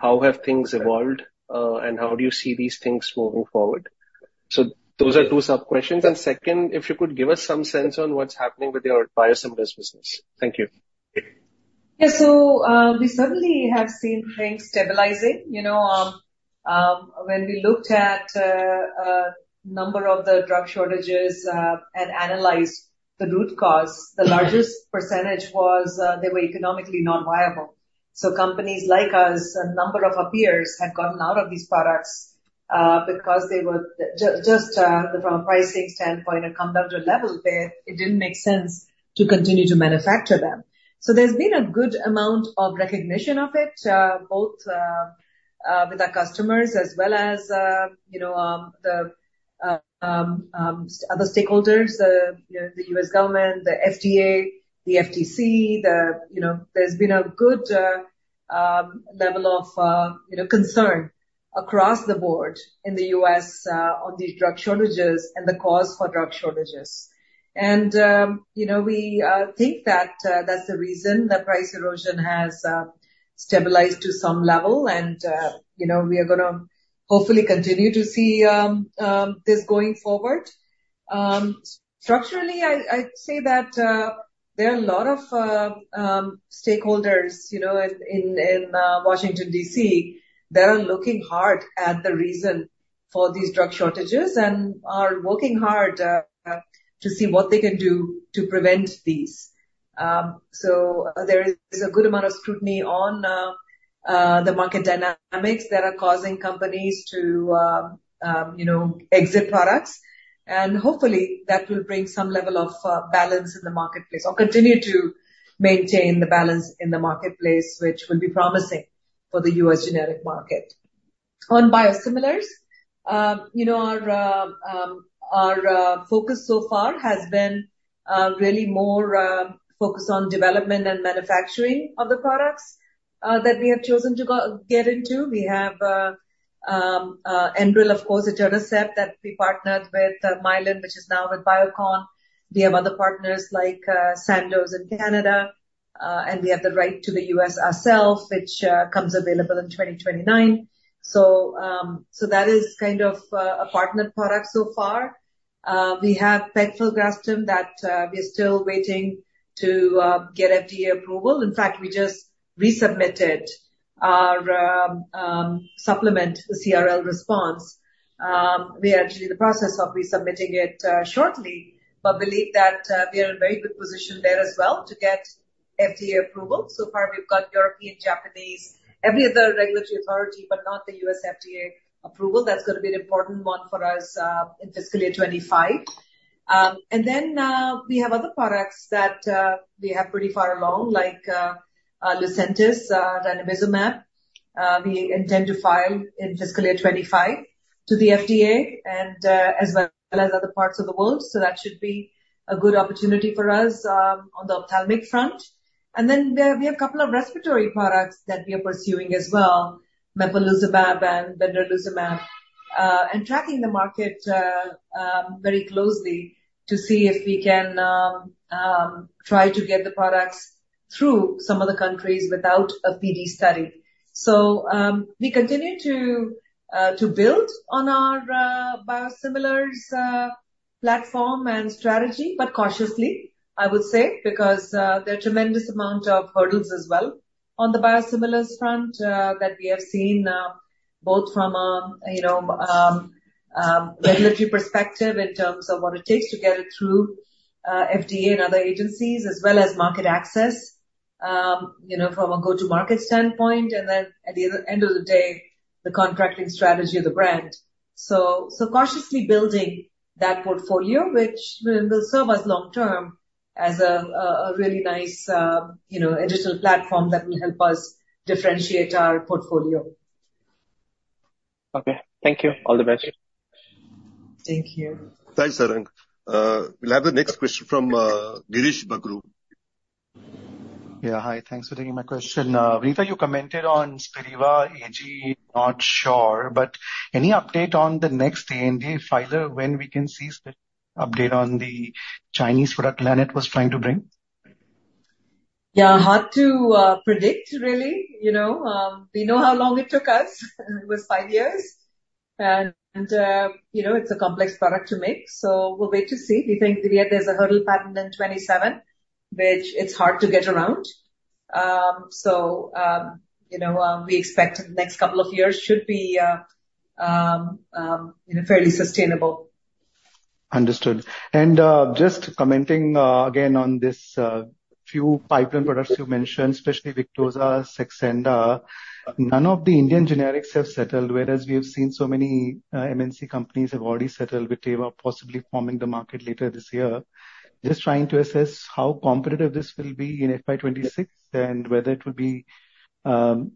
how have things evolved, and how do you see these things moving forward? So those are two sub-questions. Second, if you could give us some sense on what's happening with your biosimilar business. Thank you. Yeah, so, we certainly have seen things stabilizing, you know? When we looked at the number of the drug shortages and analyzed the root cause, the largest percentage was they were economically not viable. So companies like us, a number of our peers had gotten out of these products, because they were just, from a pricing standpoint, had come down to a level where it didn't make sense to continue to manufacture them. So there's been a good amount of recognition of it, both with our customers as well as, you know, the other stakeholders, you know, the U.S. government, the FDA, the FTC, you know, there's been a good level of, you know, concern across the board in the U.S., on these drug shortages and the cause for drug shortages. You know, we think that that's the reason that price erosion has stabilized to some level, and you know, we are going to hopefully continue to see this going forward. Structurally, I'd say that there are a lot of stakeholders, you know, in Washington, D.C., that are looking hard at the reason for these drug shortages and are working hard to see what they can do to prevent these. So, there is a good amount of scrutiny on the market dynamics that are causing companies to you know, exit products. Hopefully, that will bring some level of balance in the marketplace or continue to maintain the balance in the marketplace, which will be promising for the U.S. generic market. On biosimilars, you know, our focus so far has been really more focused on development and manufacturing of the products that we have chosen to go get into. We have Enbrel, of course, Etanercept that we partnered with Mylan, which is now with Biocon. We have other partners like Sandoz in Canada, and we have the right to the U.S. ourselves, which comes available in 2029. So that is kind of a partnered product so far. We have pegfilgrastim that we are still waiting to get FDA approval. In fact, we just resubmitted our supplement, the CRL response. We are actually in the process of resubmitting it shortly, but believe that we are in a very good position there as well to get FDA approval. So far, we've got European, Japanese, every other regulatory authority, but not the U.S. FDA approval. That's going to be an important one for us, in fiscal year 2025. And then, we have other products that, we have pretty far along, like, Lucentis, Ranibizumab. We intend to file in fiscal year 2025 to the FDA and, as well as other parts of the world. So that should be a good opportunity for us, on the ophthalmic front. And then we have a couple of respiratory products that we are pursuing as well, Mepolizumab and Benralizumab, and tracking the market, very closely to see if we can, try to get the products through some of the countries without a PD study. So, we continue to build on our biosimilars platform and strategy, but cautiously, I would say, because there are tremendous amount of hurdles as well on the biosimilars front that we have seen, both from a you know, regulatory perspective in terms of what it takes to get it through FDA and other agencies as well as market access, you know, from a go-to-market standpoint, and then at the end of the day, the contracting strategy of the brand. So cautiously building that portfolio, which will serve us long-term as a really nice, you know, additional platform that will help us differentiate our portfolio. Okay. Thank you. All the best. Thank you. Thanks, Tarang. We'll have the next question from Girish Bakhru. Yeah, hi. Thanks for taking my question. Rita, you commented on Spiriva, AG, not sure, but any update on the next ANDA filer when we can see Spiriva update on the Chinese product line it was trying to bring? Yeah, hard to predict, really, you know? We know how long it took us. It was 5 years. And, you know, it's a complex product to make. So we'll wait to see. We think, yeah, there's a hurdle pattern in 2027, which it's hard to get around. So, you know, we expect the next couple of years should be, you know, fairly sustainable. Understood. And, just commenting again on this few pipeline products you mentioned, especially Victoza, Saxenda, none of the Indian generics have settled, whereas we have seen so many MNC companies have already settled with Teva possibly forming the market later this year. Just trying to assess how competitive this will be in FY 2026 and whether it will be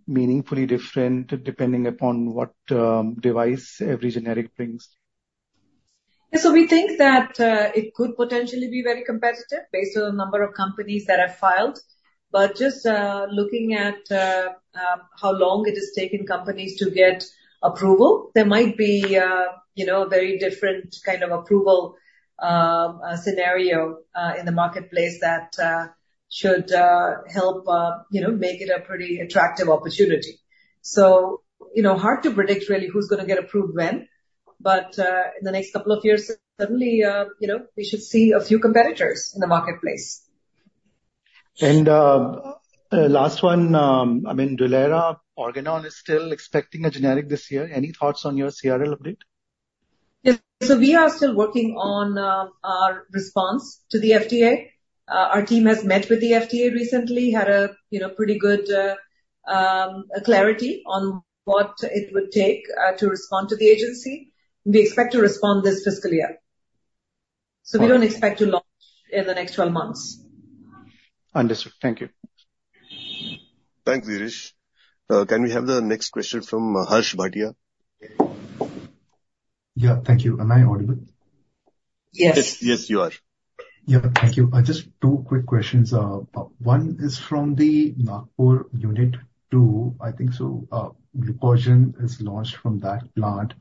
meaningfully different depending upon what device every generic brings. Yeah, so we think that it could potentially be very competitive based on the number of companies that have filed. But just looking at how long it has taken companies to get approval, there might be, you know, a very different kind of approval scenario in the marketplace that should help, you know, make it a pretty attractive opportunity. So, you know, hard to predict, really, who's going to get approved when. But in the next couple of years, certainly, you know, we should see a few competitors in the marketplace. Last one, I mean, Dulera Organon is still expecting a generic this year. Any thoughts on your CRL update? Yeah, so we are still working on our response to the FDA. Our team has met with the FDA recently, had a, you know, pretty good clarity on what it would take to respond to the agency. We expect to respond this fiscal year. So we don't expect to launch in the next 12 months. Understood. Thank you. Thanks, Girish. Can we have the next question from Harsh Bhatia? Yeah, thank you. Am I audible? Yes. Yes, you are. Yeah, thank you. Just two quick questions. One is from the Nagpur Unit 2, I think so. Glucagon is launched from that plant.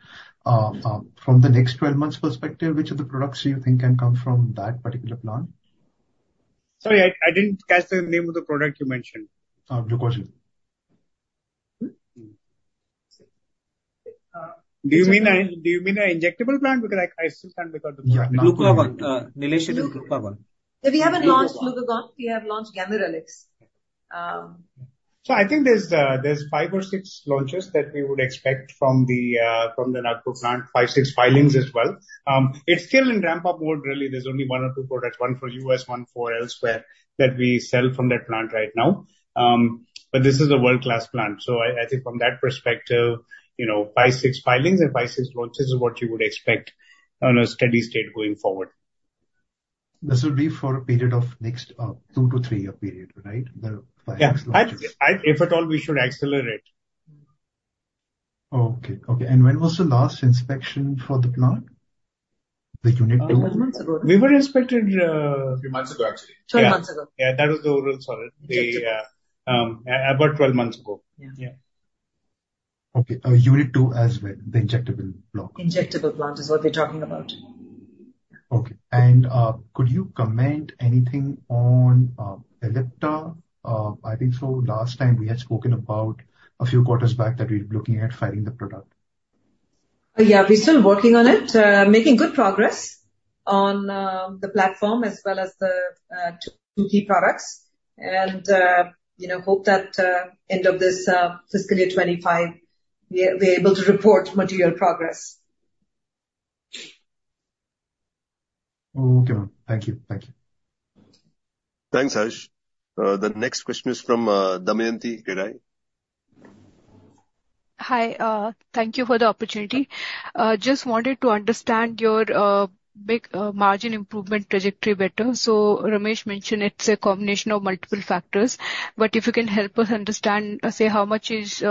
From the next 12 months' perspective, which of the products do you think can come from that particular plant? Sorry, I didn't catch the name of the product you mentioned. Glucagon. Do you mean an injectable plant? Because I still can't recall the product. Yeah, Glucagon. Nilesh, it is Glucagon. Yeah, we haven't launched Glucagon. We have launched ganirelix. So I think there's 5 or 6 launches that we would expect from the Nagpur plant, 5, 6 filings as well. It's still in ramp-up mode, really. There's only 1 or 2 products, one for U.S., one for elsewhere, that we sell from that plant right now. This is a world-class plant. So I think from that perspective, you know, 5, 6 filings and 5, 6 launches is what you would expect on a steady state going forward. This would be for a period of next 2-3-year period, right, the filings launches? Yeah, if at all, we should accelerate. Oh, okay. Okay. And when was the last inspection for the plant, the Unit 2? A couple of months ago. We were inspected, A few months ago, actually. 12 months ago. Yeah, that was the oral solid, about 12 months ago. Yeah. Yeah. Okay. Unit 2 as well, the injectable block. Injectable plant is what we're talking about. Okay. Could you comment anything on Ellipta? I think so last time, we had spoken about a few quarters back that we were looking at filing the product. Yeah, we're still working on it, making good progress on the platform as well as the two key products. You know, hope that end of this fiscal year 2025, we're able to report material progress. Okay. Thank you. Thank you. Thanks, Harsh. The next question is from Damayanti, did I? Hi. Thank you for the opportunity. Just wanted to understand your big margin improvement trajectory better. So Ramesh mentioned it's a combination of multiple factors. But if you can help us understand, say, how much is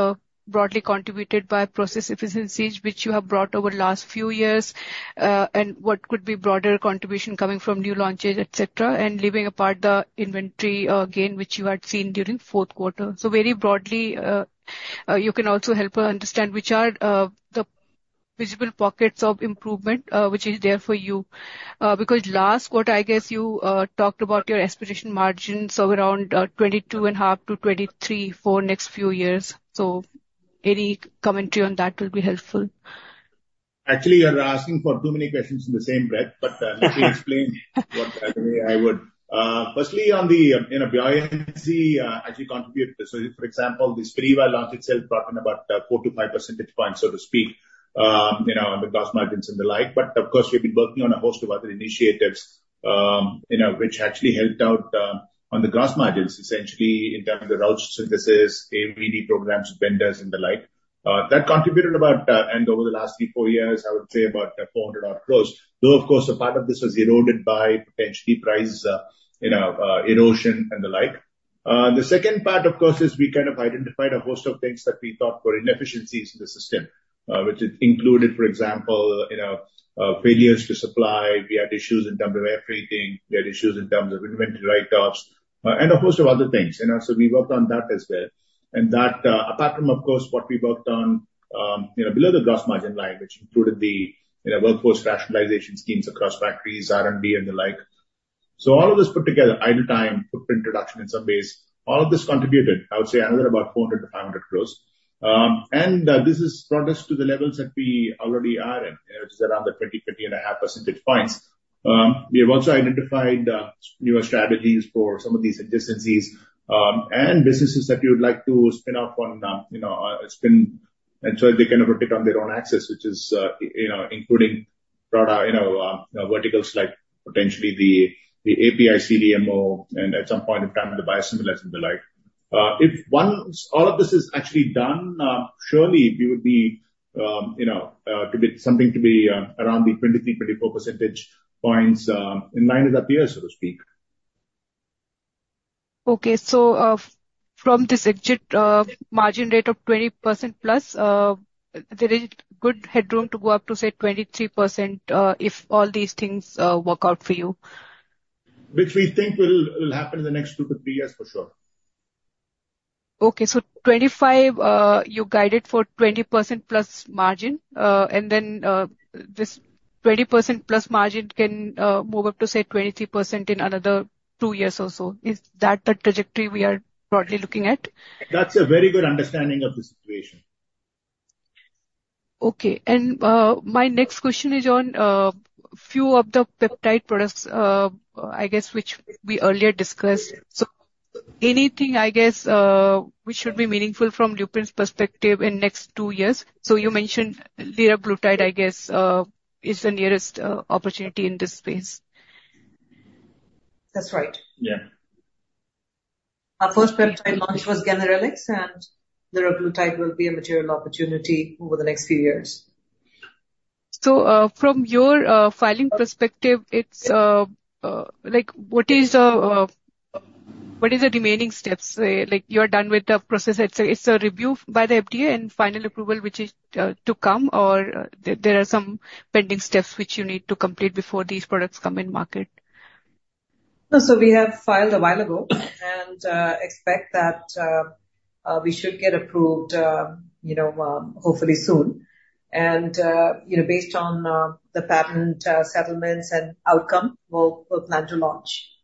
broadly contributed by process efficiencies, which you have brought over the last few years, and what could be broader contribution coming from new launches, etc., and leaving apart the inventory gain which you had seen during fourth quarter. So very broadly, you can also help us understand which are the visible pockets of improvement, which is there for you. Because last quarter, I guess you talked about your aspiration margins around 22.5%-23% for next few years. So any commentary on that will be helpful. Actually, you're asking for too many questions in the same breath, but let me explain what I mean. Firstly, on the, you know, Bio/NCE actually contributed. So, for example, the Spiriva launch itself brought in about 4-5 percentage points, so to speak, you know, on the gross margins and the like. But of course, we've been working on a host of other initiatives, you know, which actually helped out on the gross margins, essentially, in terms of route synthesis, AVD programs, vendors, and the like. That contributed about, and over the last 3-4 years, I would say about $400 gross. Though, of course, a part of this was eroded by potentially price, you know, erosion and the like. The second part, of course, is we kind of identified a host of things that we thought were inefficiencies in the system, which included, for example, you know, failures to supply. We had issues in terms of air freighting. We had issues in terms of inventory write-offs, and a host of other things, you know? So we worked on that as well. And that, apart from, of course, what we worked on, you know, below the gross margin line, which included the, you know, workforce rationalization schemes across factories, R&D, and the like. So all of this put together, idle time, footprint reduction in some ways, all of this contributed, I would say, another about 400-500 gross. And this has brought us to the levels that we already are in, you know, which is around the 20-20.5 percentage points. We have also identified newer strategies for some of these adjacencies, and businesses that we would like to spin off on, you know, spin and so they kind of rotate on their own axis, which is, you know, including product, you know, you know, verticals like potentially the, the API, CDMO, and at some point in time, the biosimilars and the like. If once all of this is actually done, surely we would be, you know, to be something to be around the 23-24 percentage points, in line with our peers, so to speak. Okay. So, from this EBIT margin rate of 20%+, there is good headroom to go up to, say, 23%, if all these things work out for you? Which we think will happen in the next 2-3 years, for sure. Okay. So 2025, you guided for 20%+ margin. And then, this 20%+ margin can move up to, say, 23% in another two years or so. Is that the trajectory we are broadly looking at? That's a very good understanding of the situation. Okay. And my next question is on a few of the peptide products, I guess, which we earlier discussed. So anything, I guess, which should be meaningful from Lupin's perspective in next two years? So you mentioned Liraglutide, I guess, is the nearest opportunity in this space. That's right. Yeah. Our first peptide launch was Ganerelix, and liraglutide will be a material opportunity over the next few years. So, from your filing perspective, it's, like, what are the remaining steps? Say, like, you are done with the process. It's a review by the FDA and final approval, which is to come, or there are some pending steps which you need to complete before these products come in market? No, so we have filed a while ago and expect that we should get approved, you know, hopefully soon. And, you know, based on the patent settlements and outcome, we'll plan to launch.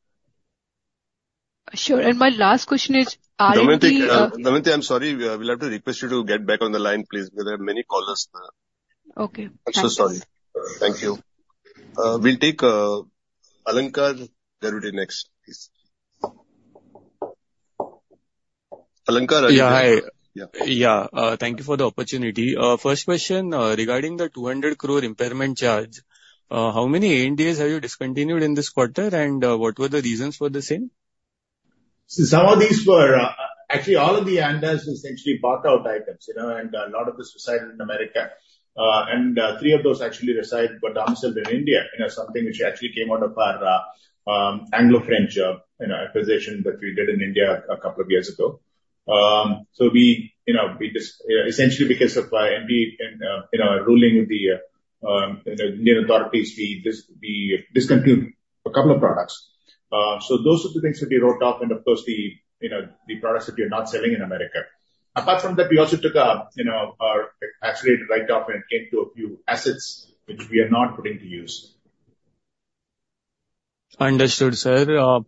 Sure. My last question is, are you, Damayanti, Damayanti, I'm sorry. We'll have to request you to get back on the line, please, because there are many callers. Okay. I'm so sorry. Thank you. We'll take Alankar Garude next, please. Alankar, are you? Yeah, hi. Yeah. Yeah. Thank you for the opportunity. First question, regarding the 200 crore impairment charge, how many ANDAs have you discontinued in this quarter, and what were the reasons for the same? See, some of these were, actually, all of the ANDAs were essentially bought-out items, you know, and a lot of this resided in America. Three of those actually reside but are sold in India, you know, something which actually came out of our, Anglo-French, you know, acquisition that we did in India a couple of years ago. We, you know, essentially, because of our NB and, you know, our ruling with the, you know, Indian authorities, we discontinued a couple of products. Those are the things that we wrote off and, of course, the, you know, the products that we are not selling in America. Apart from that, we also took a, you know, our accelerated write-off and it came to a few assets which we are not putting to use. Understood, sir.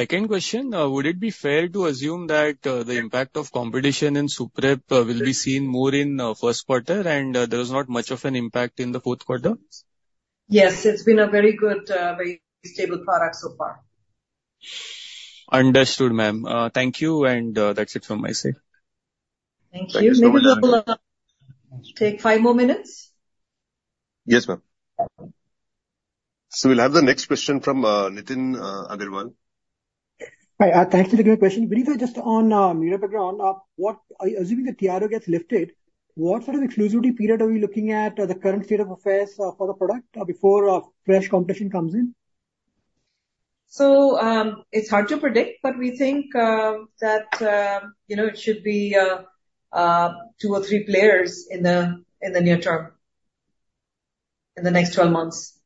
Second question, would it be fair to assume that the impact of competition in Suprep will be seen more in the first quarter and there was not much of an impact in the fourth quarter? Yes, it's been a very good, very stable product so far. Understood, ma'am. Thank you, and that's it from my side. Thank you. Maybe we'll take five more minutes? Yes, ma'am. So we'll have the next question from Nitin Agarwal. Hi. Thank you for the great question. Briefly, just on Myrbetriq background, what I'm assuming the TRO gets lifted, what sort of exclusivity period are we looking at, the current state of affairs for the product before fresh competition comes in? It's hard to predict, but we think that, you know, it should be two or three players in the near term, in the next 12 months.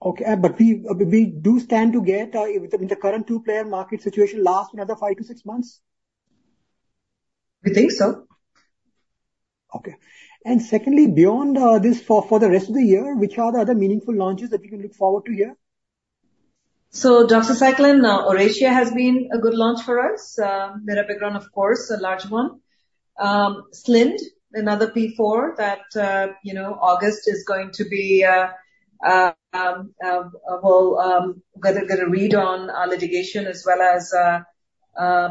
Okay. But we do stand to get with, I mean, the current two-player market situation last another 5-6 months? We think so. Okay. And secondly, beyond this, for the rest of the year, which are the other meaningful launches that we can look forward to here? So doxycycline, Oracea has been a good launch for us, in the background, of course, a large one. Slynd, another P4 that, you know, August is going to be, we'll gonna get a read on our litigation as well as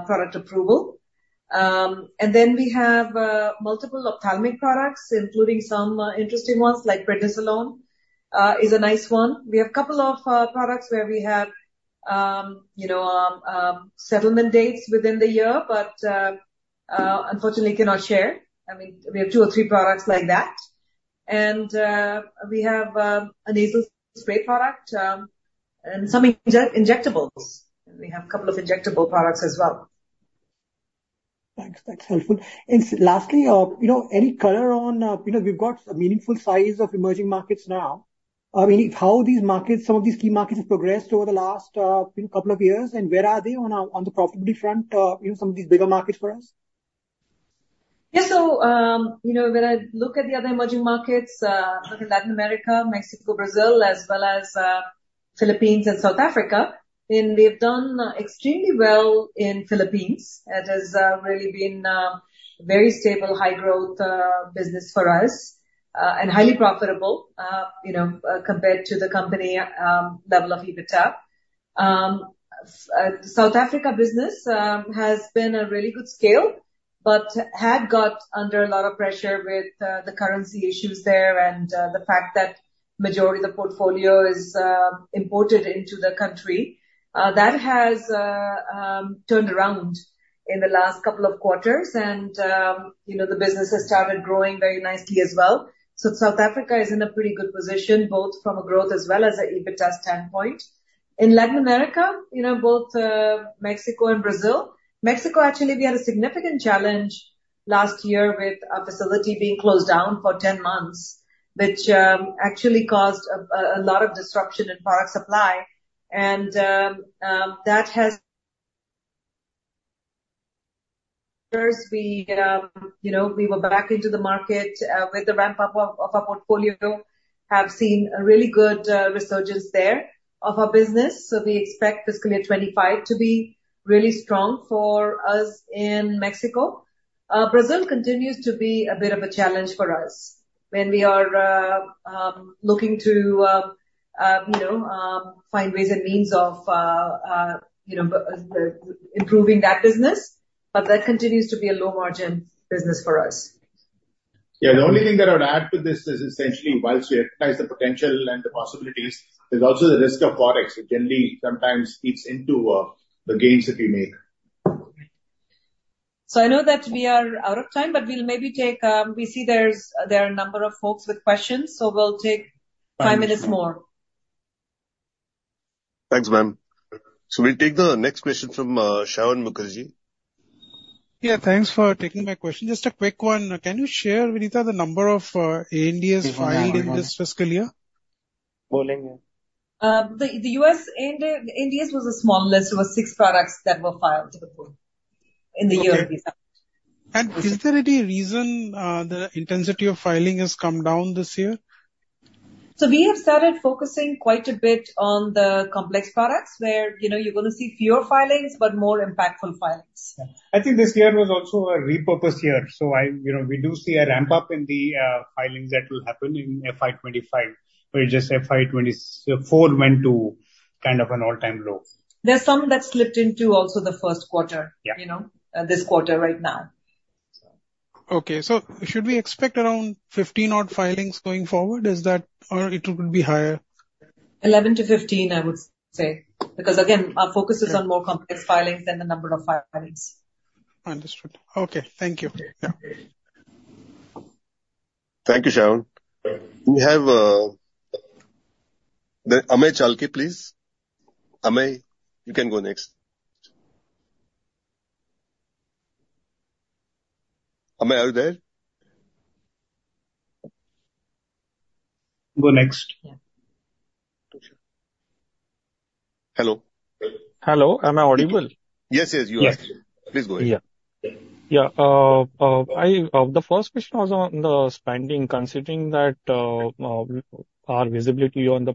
product approval. And then we have multiple ophthalmic products, including some interesting ones like prednisolone, is a nice one. We have a couple of products where we have, you know, settlement dates within the year, but unfortunately, cannot share. I mean, we have two or three products like that. And we have a nasal spray product, and some injectables. We have a couple of injectable products as well. Thanks. That's helpful. And lastly, you know, any color on, you know, we've got a meaningful size of emerging markets now. I mean, how these markets, some of these key markets have progressed over the last, you know, couple of years, and where are they on the profitability front, you know, some of these bigger markets for us? Yeah. So, you know, when I look at the other emerging markets, looking at Latin America, Mexico, Brazil, as well as Philippines and South Africa, and they've done extremely well in Philippines. It has really been very stable, high-growth business for us, and highly profitable, you know, compared to the company level of EBITDA. South Africa business has been a really good scale but had got under a lot of pressure with the currency issues there and the fact that majority of the portfolio is imported into the country. That has turned around in the last couple of quarters, and, you know, the business has started growing very nicely as well. So South Africa is in a pretty good position both from a growth as well as an EBITDA standpoint. In Latin America, you know, both Mexico and Brazil. Mexico, actually, we had a significant challenge last year with our facility being closed down for 10 months, which actually caused a lot of disruption in product supply. And that has. We, you know, we were back into the market with the ramp-up of our portfolio, have seen a really good resurgence there of our business. So we expect fiscal year 2025 to be really strong for us in Mexico. Brazil continues to be a bit of a challenge for us when we are looking to, you know, find ways and means of, you know, improving that business. But that continues to be a low-margin business for us. Yeah. The only thing that I would add to this is essentially, once we recognize the potential and the possibilities, there's also the risk of Forex, which generally sometimes eats into, the gains that we make. So I know that we are out of time, but we'll maybe take. We see there are a number of folks with questions, so we'll take five minutes more. Thanks, ma'am. So we'll take the next question from, Saion Mukherjee. Yeah. Thanks for taking my question. Just a quick one. Can you share, Vinita, the number of ANDAs filed in this fiscal year? Yeah, ma'am. Beholding, yeah. The US ANDAs was a small list. There were six products that were filed in the year we submitted. Okay. Is there any reason the intensity of filing has come down this year? So we have started focusing quite a bit on the complex products where, you know, you're gonna see fewer filings but more impactful filings. Yeah. I think this year was also a repurposed year. So I, you know, we do see a ramp-up in the, filings that will happen in FY 2025, where just FY 2024 went to kind of an all-time low. There's some that slipped into also the first quarter, you know, this quarter right now, so. Okay. So should we expect around 15 odd filings going forward? Is that, or would it be higher? 11-15, I would say, because, again, our focus is on more complex filings than the number of filings. Understood. Okay. Thank you. Yeah. Thank you, Saion. We have, the Amey Chalke, please. Amey, you can go next. Amey, are you there? Go next. Yeah. Hello. Hello. Am I audible? Yes, yes, you are. Please go ahead. Yeah. Yeah. The first question was on the spending. Considering that, our visibility on the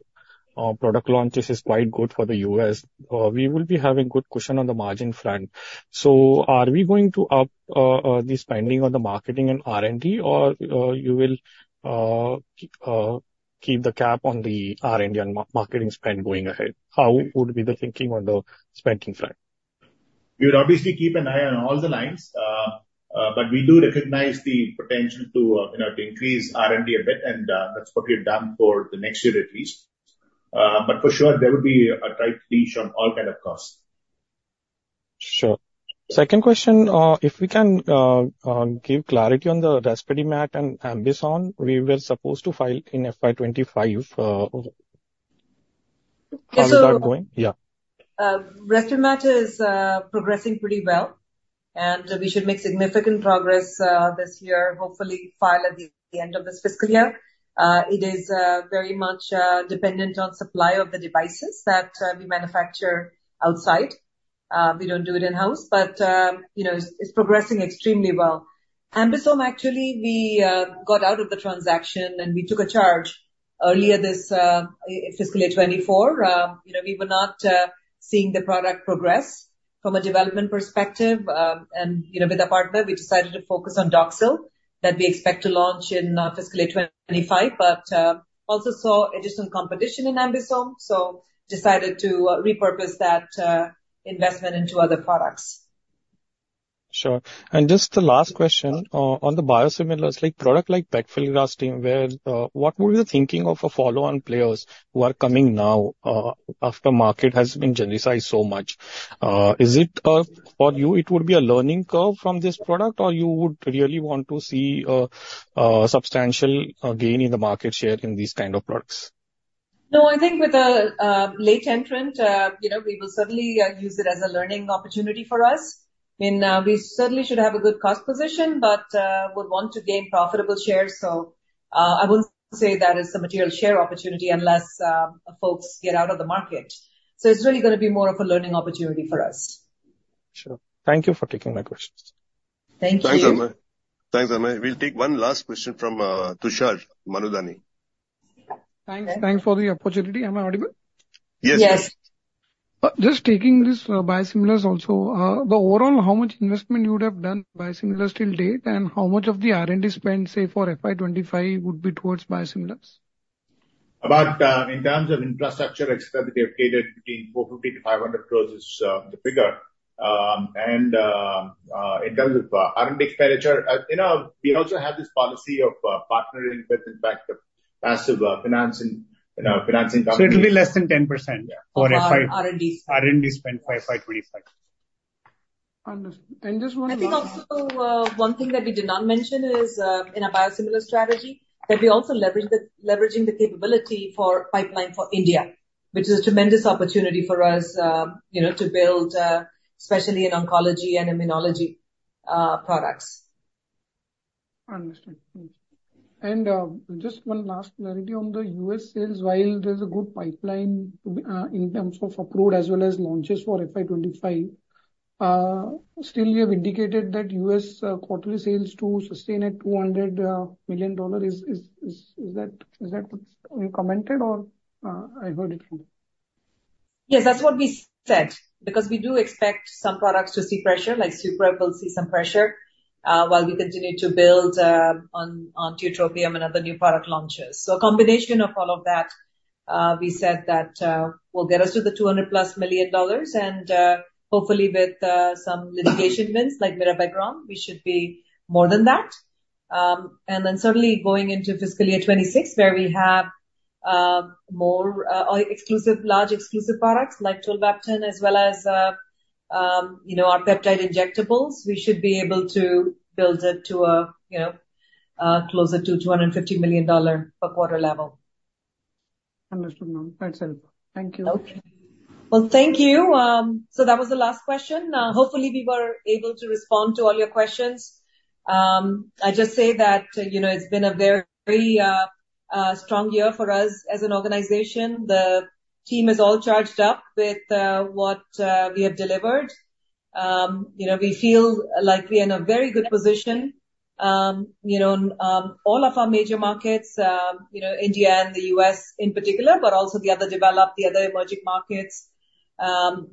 product launches is quite good for the U.S., we will be having good cushion on the margin front. So are we going to up the spending on the marketing and R&D, or you will keep the cap on the R&D and marketing spend going ahead? How would be the thinking on the spending front? We would obviously keep an eye on all the lines, but we do recognize the potential to, you know, to increase R&D a bit, and that's what we have done for the next year at least. For sure, there would be a tight leash on all kind of costs. Sure. Second question, if we can, give clarity on the Respimat and AmBisome, we were supposed to file in FY 2025, on that going? Yeah. So, Respimat is progressing pretty well, and we should make significant progress this year, hopefully file at the end of this fiscal year. It is very much dependent on supply of the devices that we manufacture outside. We don't do it in-house, but you know, it's progressing extremely well. AmBisome, actually, we got out of the transaction, and we took a charge earlier this fiscal year 2024. You know, we were not seeing the product progress from a development perspective. And you know, with a partner, we decided to focus on Doxil that we expect to launch in fiscal year 2025 but also saw additional competition in AmBisome, so decided to repurpose that investment into other products. Sure. Just the last question, on the biosimilars, like, product like Pegfilgrastim, where, what were you thinking of follow-on players who are coming now, after market has been genericized so much? Is it, for you, it would be a learning curve from this product, or you would really want to see a substantial gain in the market share in these kind of products? No, I think with a late entrant, you know, we will certainly use it as a learning opportunity for us. I mean, we certainly should have a good cost position but would want to gain profitable shares. So, I wouldn't say that is a material share opportunity unless folks get out of the market. So it's really gonna be more of a learning opportunity for us. Sure. Thank you for taking my questions. Thank you. Thanks, Amey. Thanks, Amey. We'll take one last question from Tushar Manudhane. Thanks. Thanks for the opportunity. Am I audible? Yes. Yes. Just taking this, biosimilars also, the overall, how much investment you would have done biosimilars till date, and how much of the R&D spend, say, for FY 2025, would be towards biosimilars? About in terms of infrastructure extra that we have catered between 450-500 crore is the figure. And in terms of R&D expenditure, you know, we also have this policy of partnering with, in fact, the passive financing, you know, financing company. It'll be less than 10% for FY. Yeah. R&D spend. R&D spend for FY 2025. Understood. And just one more. I think also, one thing that we did not mention is, in a biosimilar strategy that we also leverage the capability for pipeline for India, which is a tremendous opportunity for us, you know, to build, especially in oncology and immunology, products. Understood. Understood. Just one last clarity on the U.S. sales while there's a good pipeline to be, in terms of approved as well as launches for FY 2025, still you have indicated that U.S. quarterly sales to sustain at $200 million is that what you commented, or I heard it from you? Yes, that's what we said because we do expect some products to see pressure. Like, Suprep will see some pressure, while we continue to build, on, on tiotropium and other new product launches. So a combination of all of that, we said that, will get us to the $200+ million. And, hopefully, with, some litigation wins like Myrbetriq, we should be more than that. And then certainly going into fiscal year 2026 where we have, more, our exclusive large exclusive products like Tolvaptan as well as, you know, our peptide injectables, we should be able to build it to a, you know, closer to $250 million per quarter level. Understood, ma'am. That's helpful. Thank you. Okay. Well, thank you. So that was the last question. Hopefully, we were able to respond to all your questions. I just say that, you know, it's been a very strong year for us as an organization. The team is all charged up with what we have delivered. You know, we feel like we're in a very good position, you know, in all of our major markets, you know, India and the U.S. in particular but also the other developed, the other emerging markets,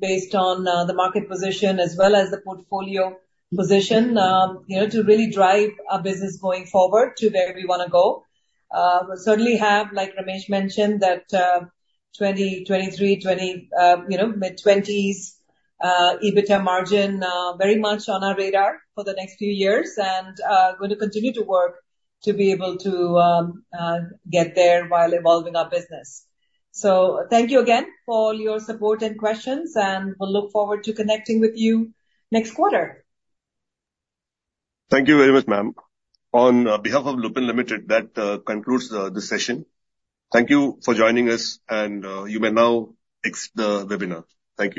based on the market position as well as the portfolio position, you know, to really drive our business going forward to where we wanna go. We certainly have, like Ramesh mentioned, that 2023, 20, you know, mid-20s EBITDA margin very much on our radar for the next few years and gonna continue to work to be able to get there while evolving our business. Thank you again for all your support and questions, and we'll look forward to connecting with you next quarter. Thank you very much, ma'am. On behalf of Lupin Limited, that concludes this session. Thank you for joining us, and you may now exit the webinar. Thank you.